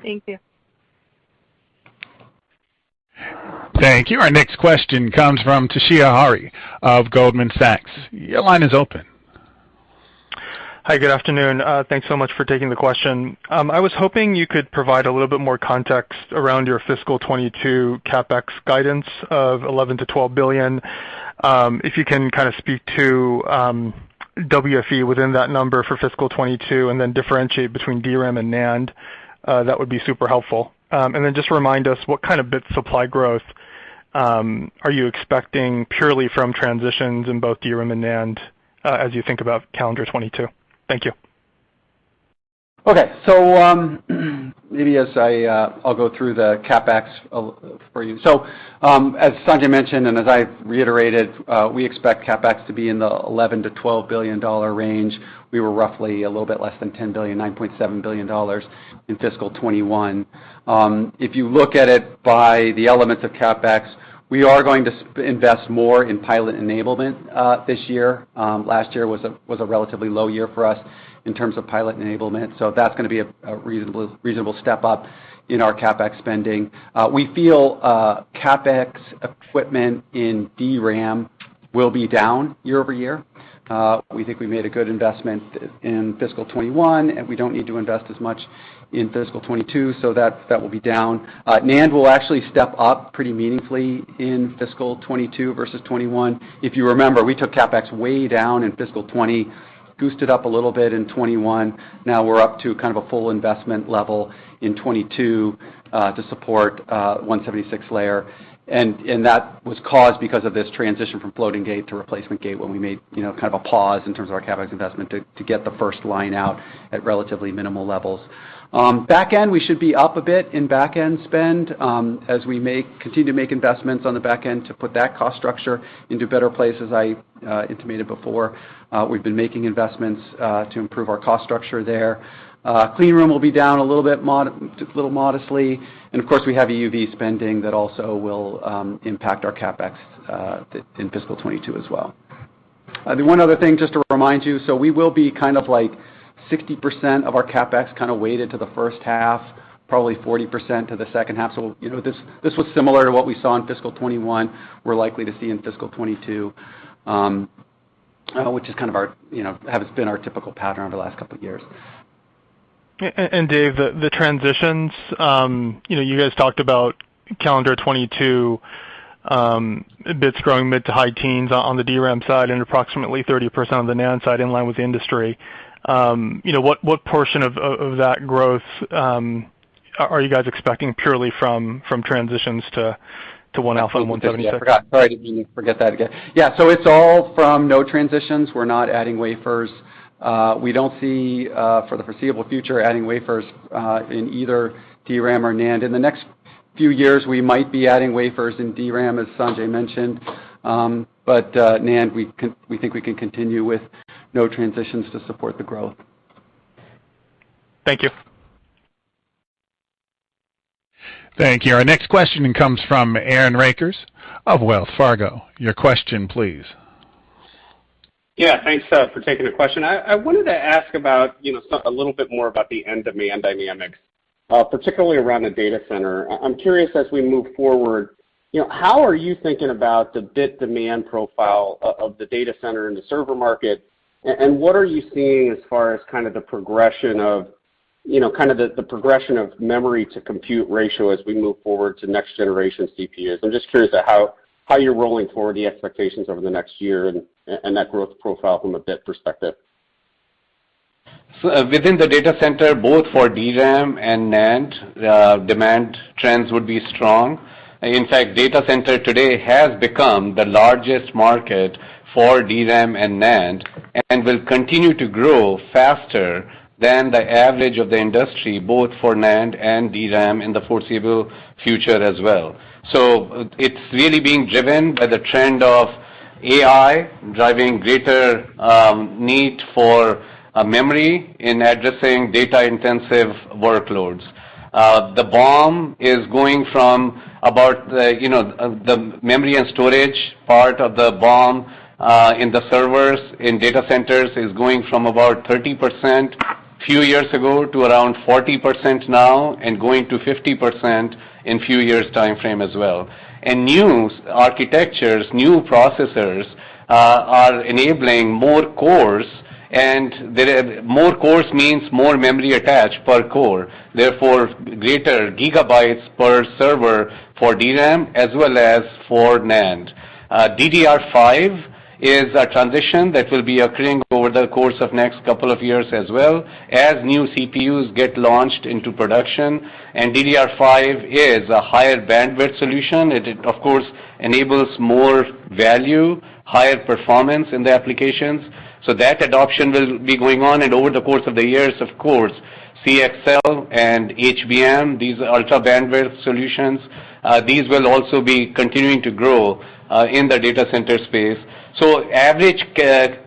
Thank you. Thank you. Our next question comes from Toshiya Hari of Goldman Sachs. Your line is open. Hi, good afternoon. Thanks so much for taking the question. I was hoping you could provide a little bit more context around your fiscal 2022 CapEx guidance of $11 billion-$12 billion. If you can speak to WFE within that number for fiscal 2022 and then differentiate between DRAM and NAND, that would be super helpful. Just remind us what kind of bit supply growth are you expecting purely from transitions in both DRAM and NAND as you think about calendar 2022? Thank you. Okay. Maybe I'll go through the CapEx for you. As Sanjay mentioned, and as I reiterated, we expect CapEx to be in the $11 billion-$12 billion range. We were roughly a little bit less than $10 billion, $9.7 billion in fiscal 2021. If you look at it by the elements of CapEx, we are going to invest more in pilot enablement this year. Last year was a relatively low year for us in terms of pilot enablement, so that's going to be a reasonable step up in our CapEx spending. We feel CapEx equipment in DRAM will be down year-over-year. We think we made a good investment in fiscal 2021, and we don't need to invest as much in fiscal 2022, so that will be down. NAND will actually step up pretty meaningfully in fiscal 2022 versus 2021. If you remember, we took CapEx way down in fiscal 2020, goosed it up a little bit in 2021. Now we're up to a full investment level in 2022 to support 176-layer. That was caused because of this transition from floating gate to replacement gate when we made a pause in terms of our CapEx investment to get the first line out at relatively minimal levels. Back-end, we should be up a bit in back-end spend as we continue to make investments on the back end to put that cost structure into better place, as I intimated before. We've been making investments to improve our cost structure there. Clean room will be down a little bit, modestly. Of course, we have EUV spending that also will impact our CapEx in fiscal 2022 as well. One other thing, just to remind you, we will be kind of like 60% of our CapEx kind of weighted to the first half, probably 40% to the second half. This was similar to what we saw in fiscal 2021, we're likely to see in fiscal 2022, which has been our typical pattern over the last couple of years. Dave, the transitions, you guys talked about calendar 2022, bits growing mid-to-high teens on the DRAM side and approximately 30% on the NAND side in line with the industry. What portion of that growth are you guys expecting purely from transitions to 1-alpha 176? I forgot. Sorry, I didn't mean to forget that again. Yeah. It's all from no transitions. We're not adding wafers. We don't see, for the foreseeable future, adding wafers in either DRAM or NAND. In the next few years, we might be adding wafers in DRAM, as Sanjay mentioned. NAND, we think we can continue with node transitions to support the growth. Thank you. Thank you. Our next question comes from Aaron Rakers of Wells Fargo. Your question, please. Thanks for taking the question. I wanted to ask a little bit more about the end demand dynamics, particularly around the data center. I'm curious as we move forward, how are you thinking about the bit demand profile of the data center and the server market, and what are you seeing as far as the progression of memory to compute ratio as we move forward to next generation CPUs? I'm just curious how you're rolling forward the expectations over the next year and that growth profile from a bit perspective. Within the data center, both for DRAM and NAND, demand trends would be strong. In fact, data center today has become the largest market for DRAM and NAND, and will continue to grow faster than the average of the industry, both for NAND and DRAM in the foreseeable future as well. It's really being driven by the trend of AI driving greater need for memory in addressing data intensive workloads. The memory and storage part of the BOM in the servers, in data centers, is going from about 30% a few years ago to around 40% now, and going to 50% in few years' timeframe as well. New architectures, new processors are enabling more cores, and more cores means more memory attached per core, therefore greater gigabytes per server for DRAM as well as for NAND. DDR5 is a transition that will be occurring over the course of next couple of years as well as new CPUs get launched into production. DDR5 is a higher bandwidth solution. It, of course, enables more value, higher performance in the applications. That adoption will be going on and over the course of the years, of course, CXL and HBM, these ultra-bandwidth solutions, these will also be continuing to grow in the data center space. Average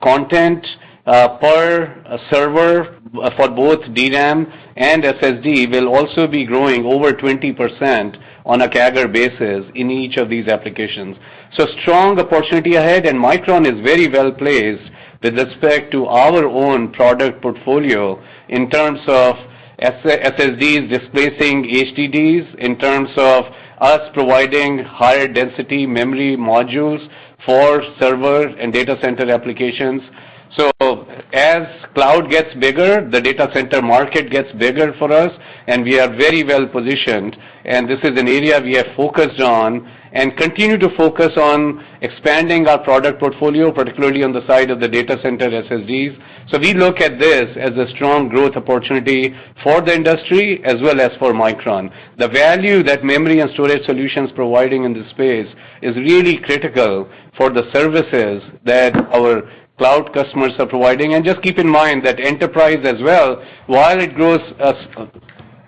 content per server for both DRAM and SSD will also be growing over 20% on a CAGR basis in each of these applications. Strong opportunity ahead, and Micron is very well placed with respect to our own product portfolio in terms of SSDs displacing HDDs, in terms of us providing higher density memory modules for server and data center applications. As cloud gets bigger, the data center market gets bigger for us, and we are very well positioned. This is an area we have focused on and continue to focus on expanding our product portfolio, particularly on the side of the data center SSDs. We look at this as a strong growth opportunity for the industry as well as for Micron. The value that memory and storage solutions providing in this space is really critical for the services that our cloud customers are providing. Just keep in mind that enterprise as well, while it grows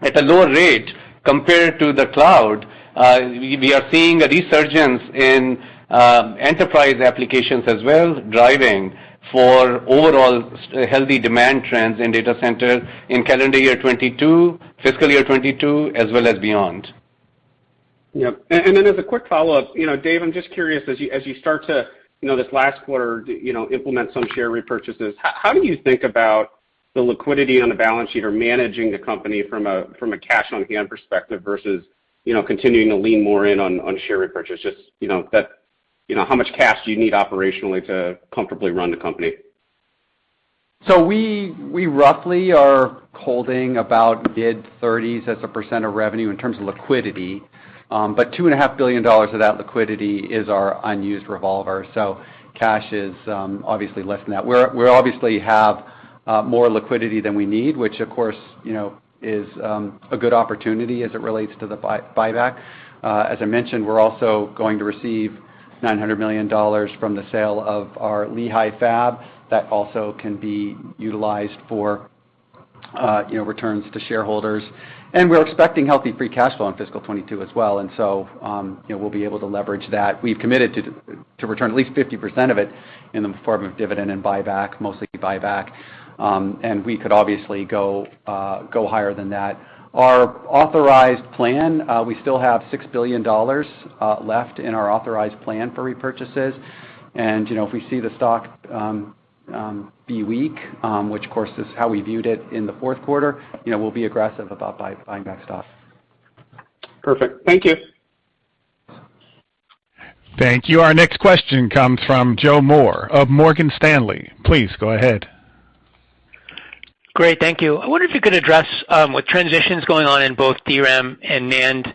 at a lower rate compared to the cloud, we are seeing a resurgence in enterprise applications as well, driving for overall healthy demand trends in data center in calendar year 2022, fiscal year 2022, as well as beyond. Yep. As a quick follow-up, Dave, I'm just curious, as you start to this last quarter, implement some share repurchases, how do you think about the liquidity on the balance sheet or managing the company from a cash on hand perspective versus continuing to lean more in on share repurchase? Just how much cash do you need operationally to comfortably run the company? We roughly are holding about mid-30%s as a percent of revenue in terms of liquidity. $2.5 billion of that liquidity is our unused revolver, so cash is obviously less than that. We obviously have more liquidity than we need, which of course, is a good opportunity as it relates to the buyback. As I mentioned, we're also going to receive $900 million from the sale of our Lehi fab. That also can be utilized for returns to shareholders. We're expecting healthy free cash flow in fiscal 2022 as well, and so we'll be able to leverage that. We've committed to return at least 50% of it in the form of dividend and buyback, mostly buyback. We could obviously go higher than that. We still have $6 billion left in our authorized plan for repurchases. If we see the stock be weak, which of course is how we viewed it in the fourth quarter, we'll be aggressive about buying back stock. Perfect. Thank you. Thank you. Our next question comes from Joe Moore of Morgan Stanley. Please go ahead. Great, thank you. I wonder if you could address what transitions going on in both DRAM and NAND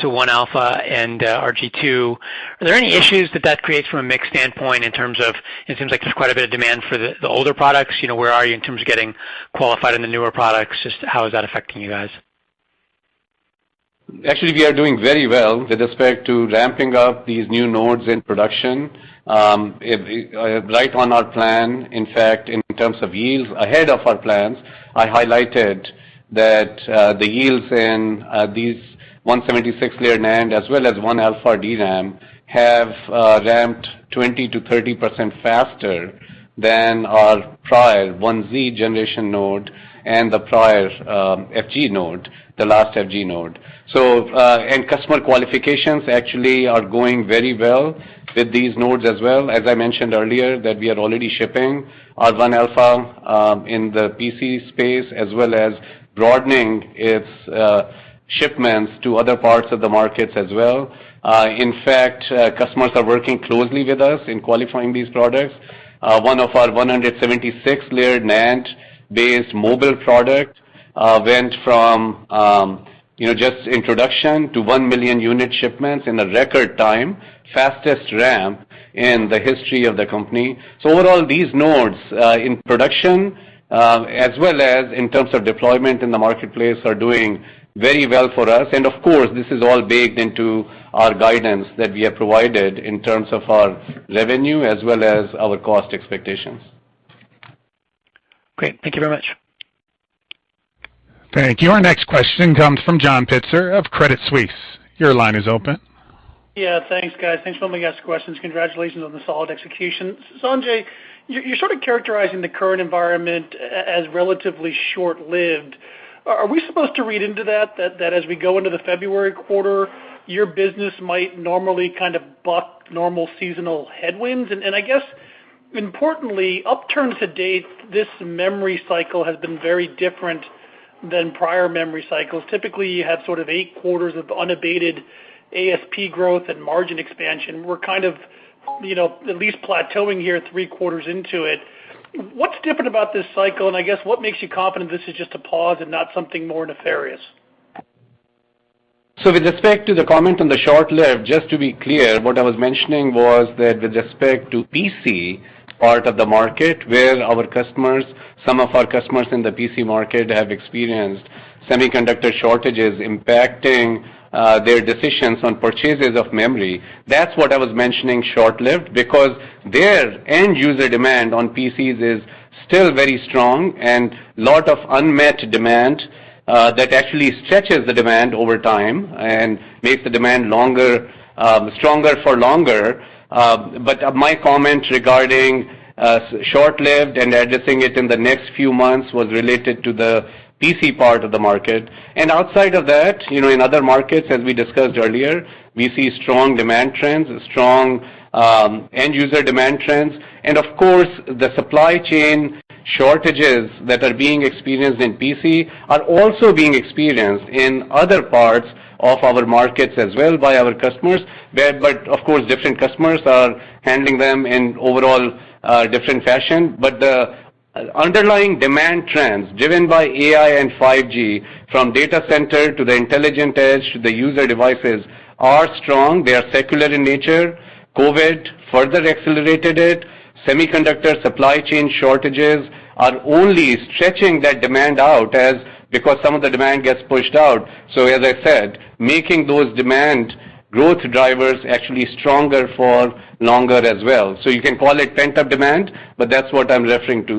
to 1-alpha and RG2. Are there any issues that creates from a mix standpoint in terms of, it seems like there's quite a bit of demand for the older products. Where are you in terms of getting qualified in the newer products? Just how is that affecting you guys? Actually, we are doing very well with respect to ramping up these new nodes in production. Right on our plan. In fact, in terms of yields, ahead of our plans, I highlighted that the yields in these 176-layer NAND as well as 1-alpha DRAM have ramped 20%-30% faster than our prior 1z generation node and the prior FG node, the last FG node. Customer qualifications actually are going very well with these nodes as well. As I mentioned earlier, that we are already shipping our 1-alpha in the PC space, as well as broadening its shipments to other parts of the markets as well. In fact, customers are working closely with us in qualifying these products. One of our 176-layer NAND-based mobile product went from just introduction to one million unit shipments in a record time, fastest ramp in the history of the company. Overall, these nodes, in production, as well as in terms of deployment in the marketplace, are doing very well for us. Of course, this is all baked into our guidance that we have provided in terms of our revenue as well as our cost expectations. Great. Thank you very much. Thank you. Our next question comes from John Pitzer of Credit Suisse. Your line is open. Yeah, thanks, guys. Thanks for letting me ask questions. Congratulations on the solid execution. Sanjay, you're sort of characterizing the current environment as relatively short-lived. Are we supposed to read into that as we go into the February quarter, your business might normally kind of buck normal seasonal headwinds? I guess importantly, upturn to date, this memory cycle has been very different than prior memory cycles. Typically, you have sort of eight quarters of unabated ASP growth and margin expansion. We're kind of at least plateauing here three quarters into it. What's different about this cycle, and I guess what makes you confident this is just a pause and not something more nefarious? With respect to the comment on the short-lived, just to be clear, what I was mentioning was that with respect to PC part of the market, where our customers, some of our customers in the PC market, have experienced semiconductor shortages impacting their decisions on purchases of memory. That's what I was mentioning short-lived, because their end user demand on PCs is still very strong and lot of unmet demand that actually stretches the demand over time and makes the demand stronger for longer. My comment regarding short-lived and addressing it in the next few months was related to the PC part of the market. Outside of that, in other markets, as we discussed earlier, we see strong demand trends, strong end user demand trends. Of course, the supply chain shortages that are being experienced in PC are also being experienced in other parts of our markets as well by our customers, but of course, different customers are handling them in overall different fashion. The underlying demand trends driven by AI and 5G, from data center to the intelligent edge to the user devices, are strong. They are secular in nature. COVID further accelerated it. Semiconductor supply chain shortages are only stretching that demand out, because some of the demand gets pushed out. As I said, making those demand growth drivers actually stronger for longer as well. You can call it pent-up demand, but that's what I'm referring to.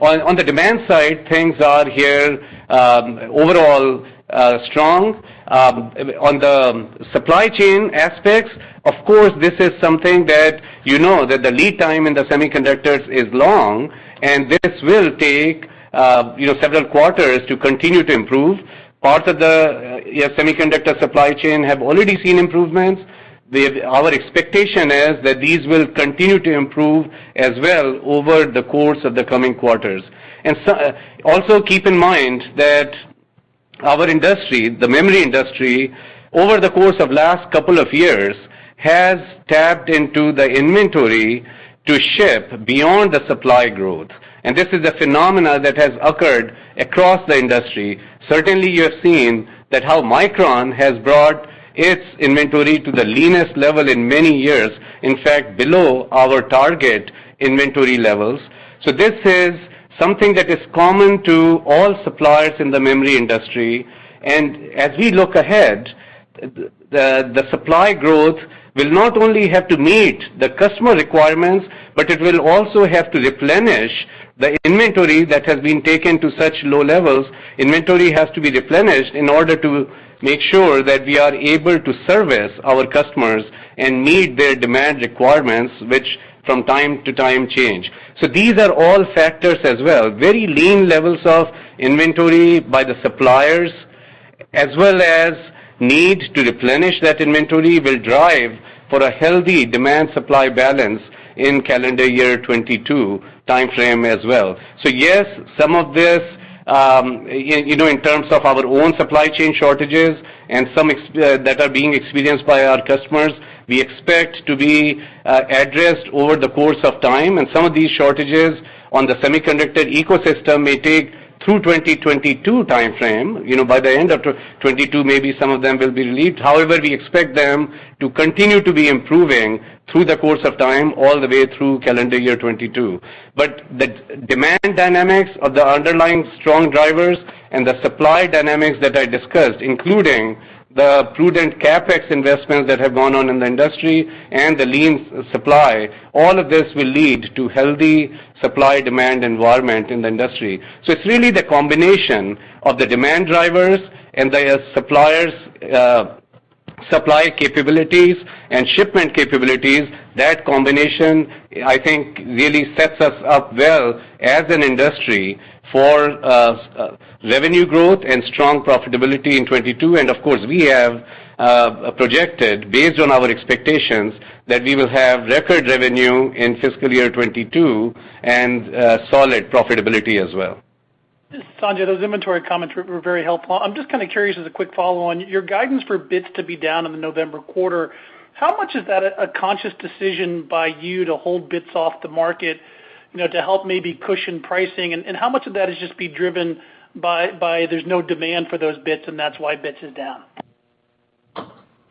On the demand side, things are here overall strong. On the supply chain aspects, of course, this is something that you know that the lead time in the semiconductors is long, and this will take several quarters to continue to improve. Part of the semiconductor supply chain have already seen improvements. Our expectation is that these will continue to improve as well over the course of the coming quarters. Also keep in mind that our industry, the memory industry, over the course of last couple of years, has tapped into the inventory to ship beyond the supply growth. This is a phenomena that has occurred across the industry. Certainly, you have seen that how Micron has brought its inventory to the leanest level in many years, in fact, below our target inventory levels. This is something that is common to all suppliers in the memory industry. As we look ahead, the supply growth will not only have to meet the customer requirements, but it will also have to replenish the inventory that has been taken to such low levels. Inventory has to be replenished in order to make sure that we are able to service our customers and meet their demand requirements, which from time to time change. These are all factors as well. Very lean levels of inventory by the suppliers, as well as need to replenish that inventory will drive for a healthy demand-supply balance in calendar year 2022 timeframe as well. Yes, some of this, in terms of our own supply chain shortages and some that are being experienced by our customers, we expect to be addressed over the course of time. Some of these shortages on the semiconductor ecosystem may take through 2022 timeframe. By the end of 2022, maybe some of them will be relieved. However, we expect them to continue to be improving through the course of time, all the way through calendar year 2022. The demand dynamics of the underlying strong drivers and the supply dynamics that I discussed, including the prudent CapEx investments that have gone on in the industry and the lean supply, all of this will lead to healthy supply-demand environment in the industry. It's really the combination of the demand drivers and the suppliers' supply capabilities and shipment capabilities. That combination, I think, really sets us up well as an industry for revenue growth and strong profitability in 2022. Of course, we have projected, based on our expectations, that we will have record revenue in fiscal year 2022 and solid profitability as well. Sanjay, those inventory comments were very helpful. I'm just curious, as a quick follow-on, your guidance for bits to be down in the November quarter, how much is that a conscious decision by you to hold bits off the market to help maybe cushion pricing, and how much of that is just driven by there's no demand for those bits, and that's why bits is down?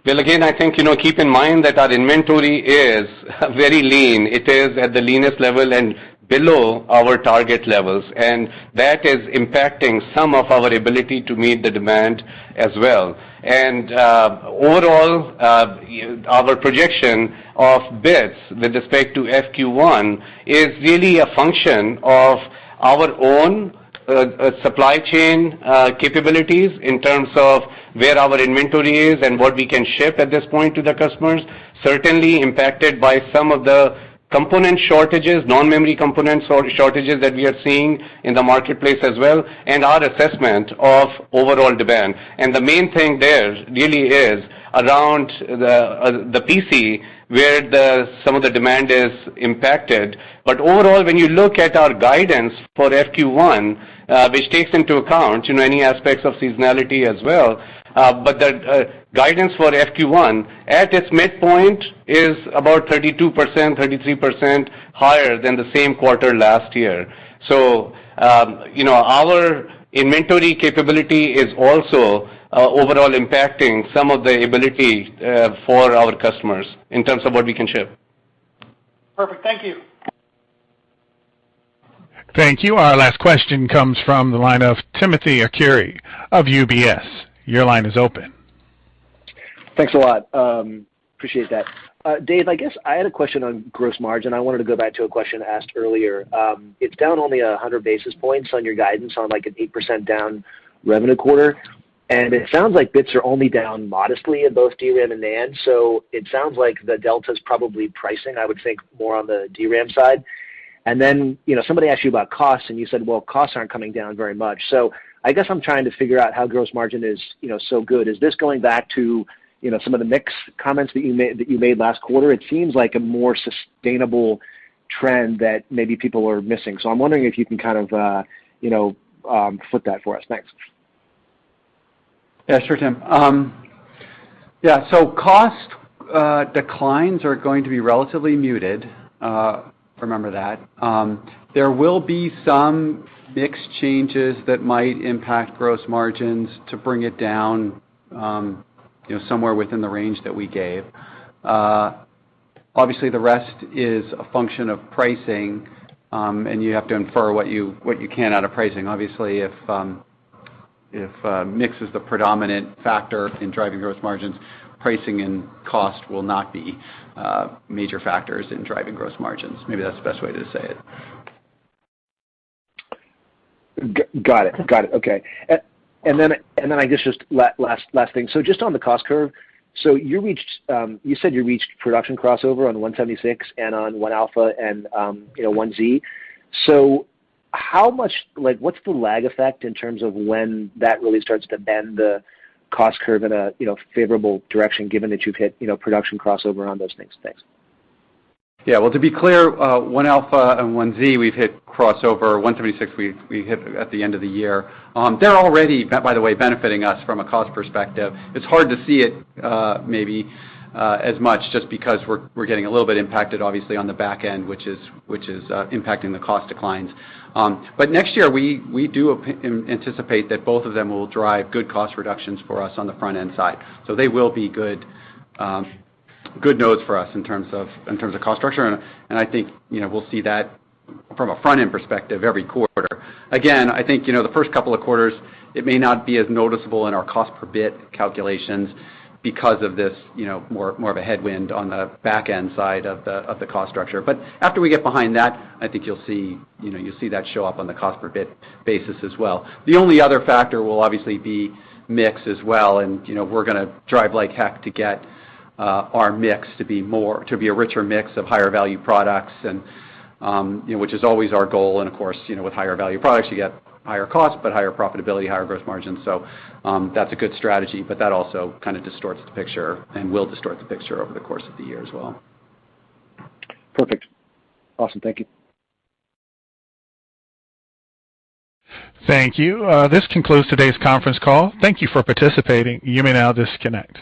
Well, again, I think, keep in mind that our inventory is very lean. It is at the leanest level and below our target levels, and that is impacting some of our ability to meet the demand as well. Overall, our projection of bits with respect to FQ1 is really a function of our own supply chain capabilities in terms of where our inventory is and what we can ship at this point to the customers, certainly impacted by some of the component shortages, non-memory component shortages that we are seeing in the marketplace as well, and our assessment of overall demand. The main thing there really is around the PC, where some of the demand is impacted. Overall, when you look at our guidance for FQ1, which takes into account any aspects of seasonality as well, but the guidance for FQ1 at its midpoint is about 32%-33% higher than the same quarter last year. Our inventory capability is also overall impacting some of the ability for our customers in terms of what we can ship. Perfect. Thank you. Thank you. Our last question comes from the line of Timothy Arcuri of UBS. Your line is open. Thanks a lot. Appreciate that. Dave, I guess I had a question on gross margin. I wanted to go back to a question asked earlier. It's down only 100 basis points on your guidance on an 8% down revenue quarter. It sounds like bits are only down modestly in both DRAM and NAND. It sounds like the delta is probably pricing, I would think more on the DRAM side. Somebody asked you about costs. You said, well, costs aren't coming down very much. I guess I'm trying to figure out how gross margin is so good. Is this going back to some of the mix comments that you made last quarter? It seems like a more sustainable trend that maybe people are missing. I'm wondering if you can kind of flip that for us? Thanks. Sure, Tim. Cost declines are going to be relatively muted. Remember that. There will be some mix changes that might impact gross margins to bring it down somewhere within the range that we gave. Obviously, the rest is a function of pricing, and you have to infer what you can out of pricing. Obviously, if mix is the predominant factor in driving gross margins, pricing and cost will not be major factors in driving gross margins. Maybe that's the best way to say it. Got it. Okay. I guess, just last thing. Just on the cost curve, so you said you reached production crossover on 176 and on 1-alpha and 1Z. What's the lag effect in terms of when that really starts to bend the cost curve in a favorable direction, given that you've hit production crossover on those things? Thanks. Well, to be clear, 1-alpha and 1z, we've hit crossover. 176, we hit at the end of the year. They're already, by the way, benefiting us from a cost perspective. It's hard to see it maybe as much just because we're getting a little bit impacted, obviously, on the back end, which is impacting the cost declines. Next year, we do anticipate that both of them will drive good cost reductions for us on the front-end side. They will be good nodes for us in terms of cost structure, and I think we'll see that from a front-end perspective every quarter. I think, the first couple of quarters, it may not be as noticeable in our cost per bit calculations because of this more of a headwind on the back-end side of the cost structure. After we get behind that, I think you'll see that show up on the cost per bit basis as well. The only other factor will obviously be mix as well, and we're going to drive like heck to get our mix to be a richer mix of higher value products, which is always our goal. Of course, with higher value products, you get higher cost, but higher profitability, higher growth margins. That's a good strategy. That also kind of distorts the picture and will distort the picture over the course of the year as well. Perfect. Awesome. Thank you. Thank you. This concludes today's conference call. Thank you for participating. You may now disconnect.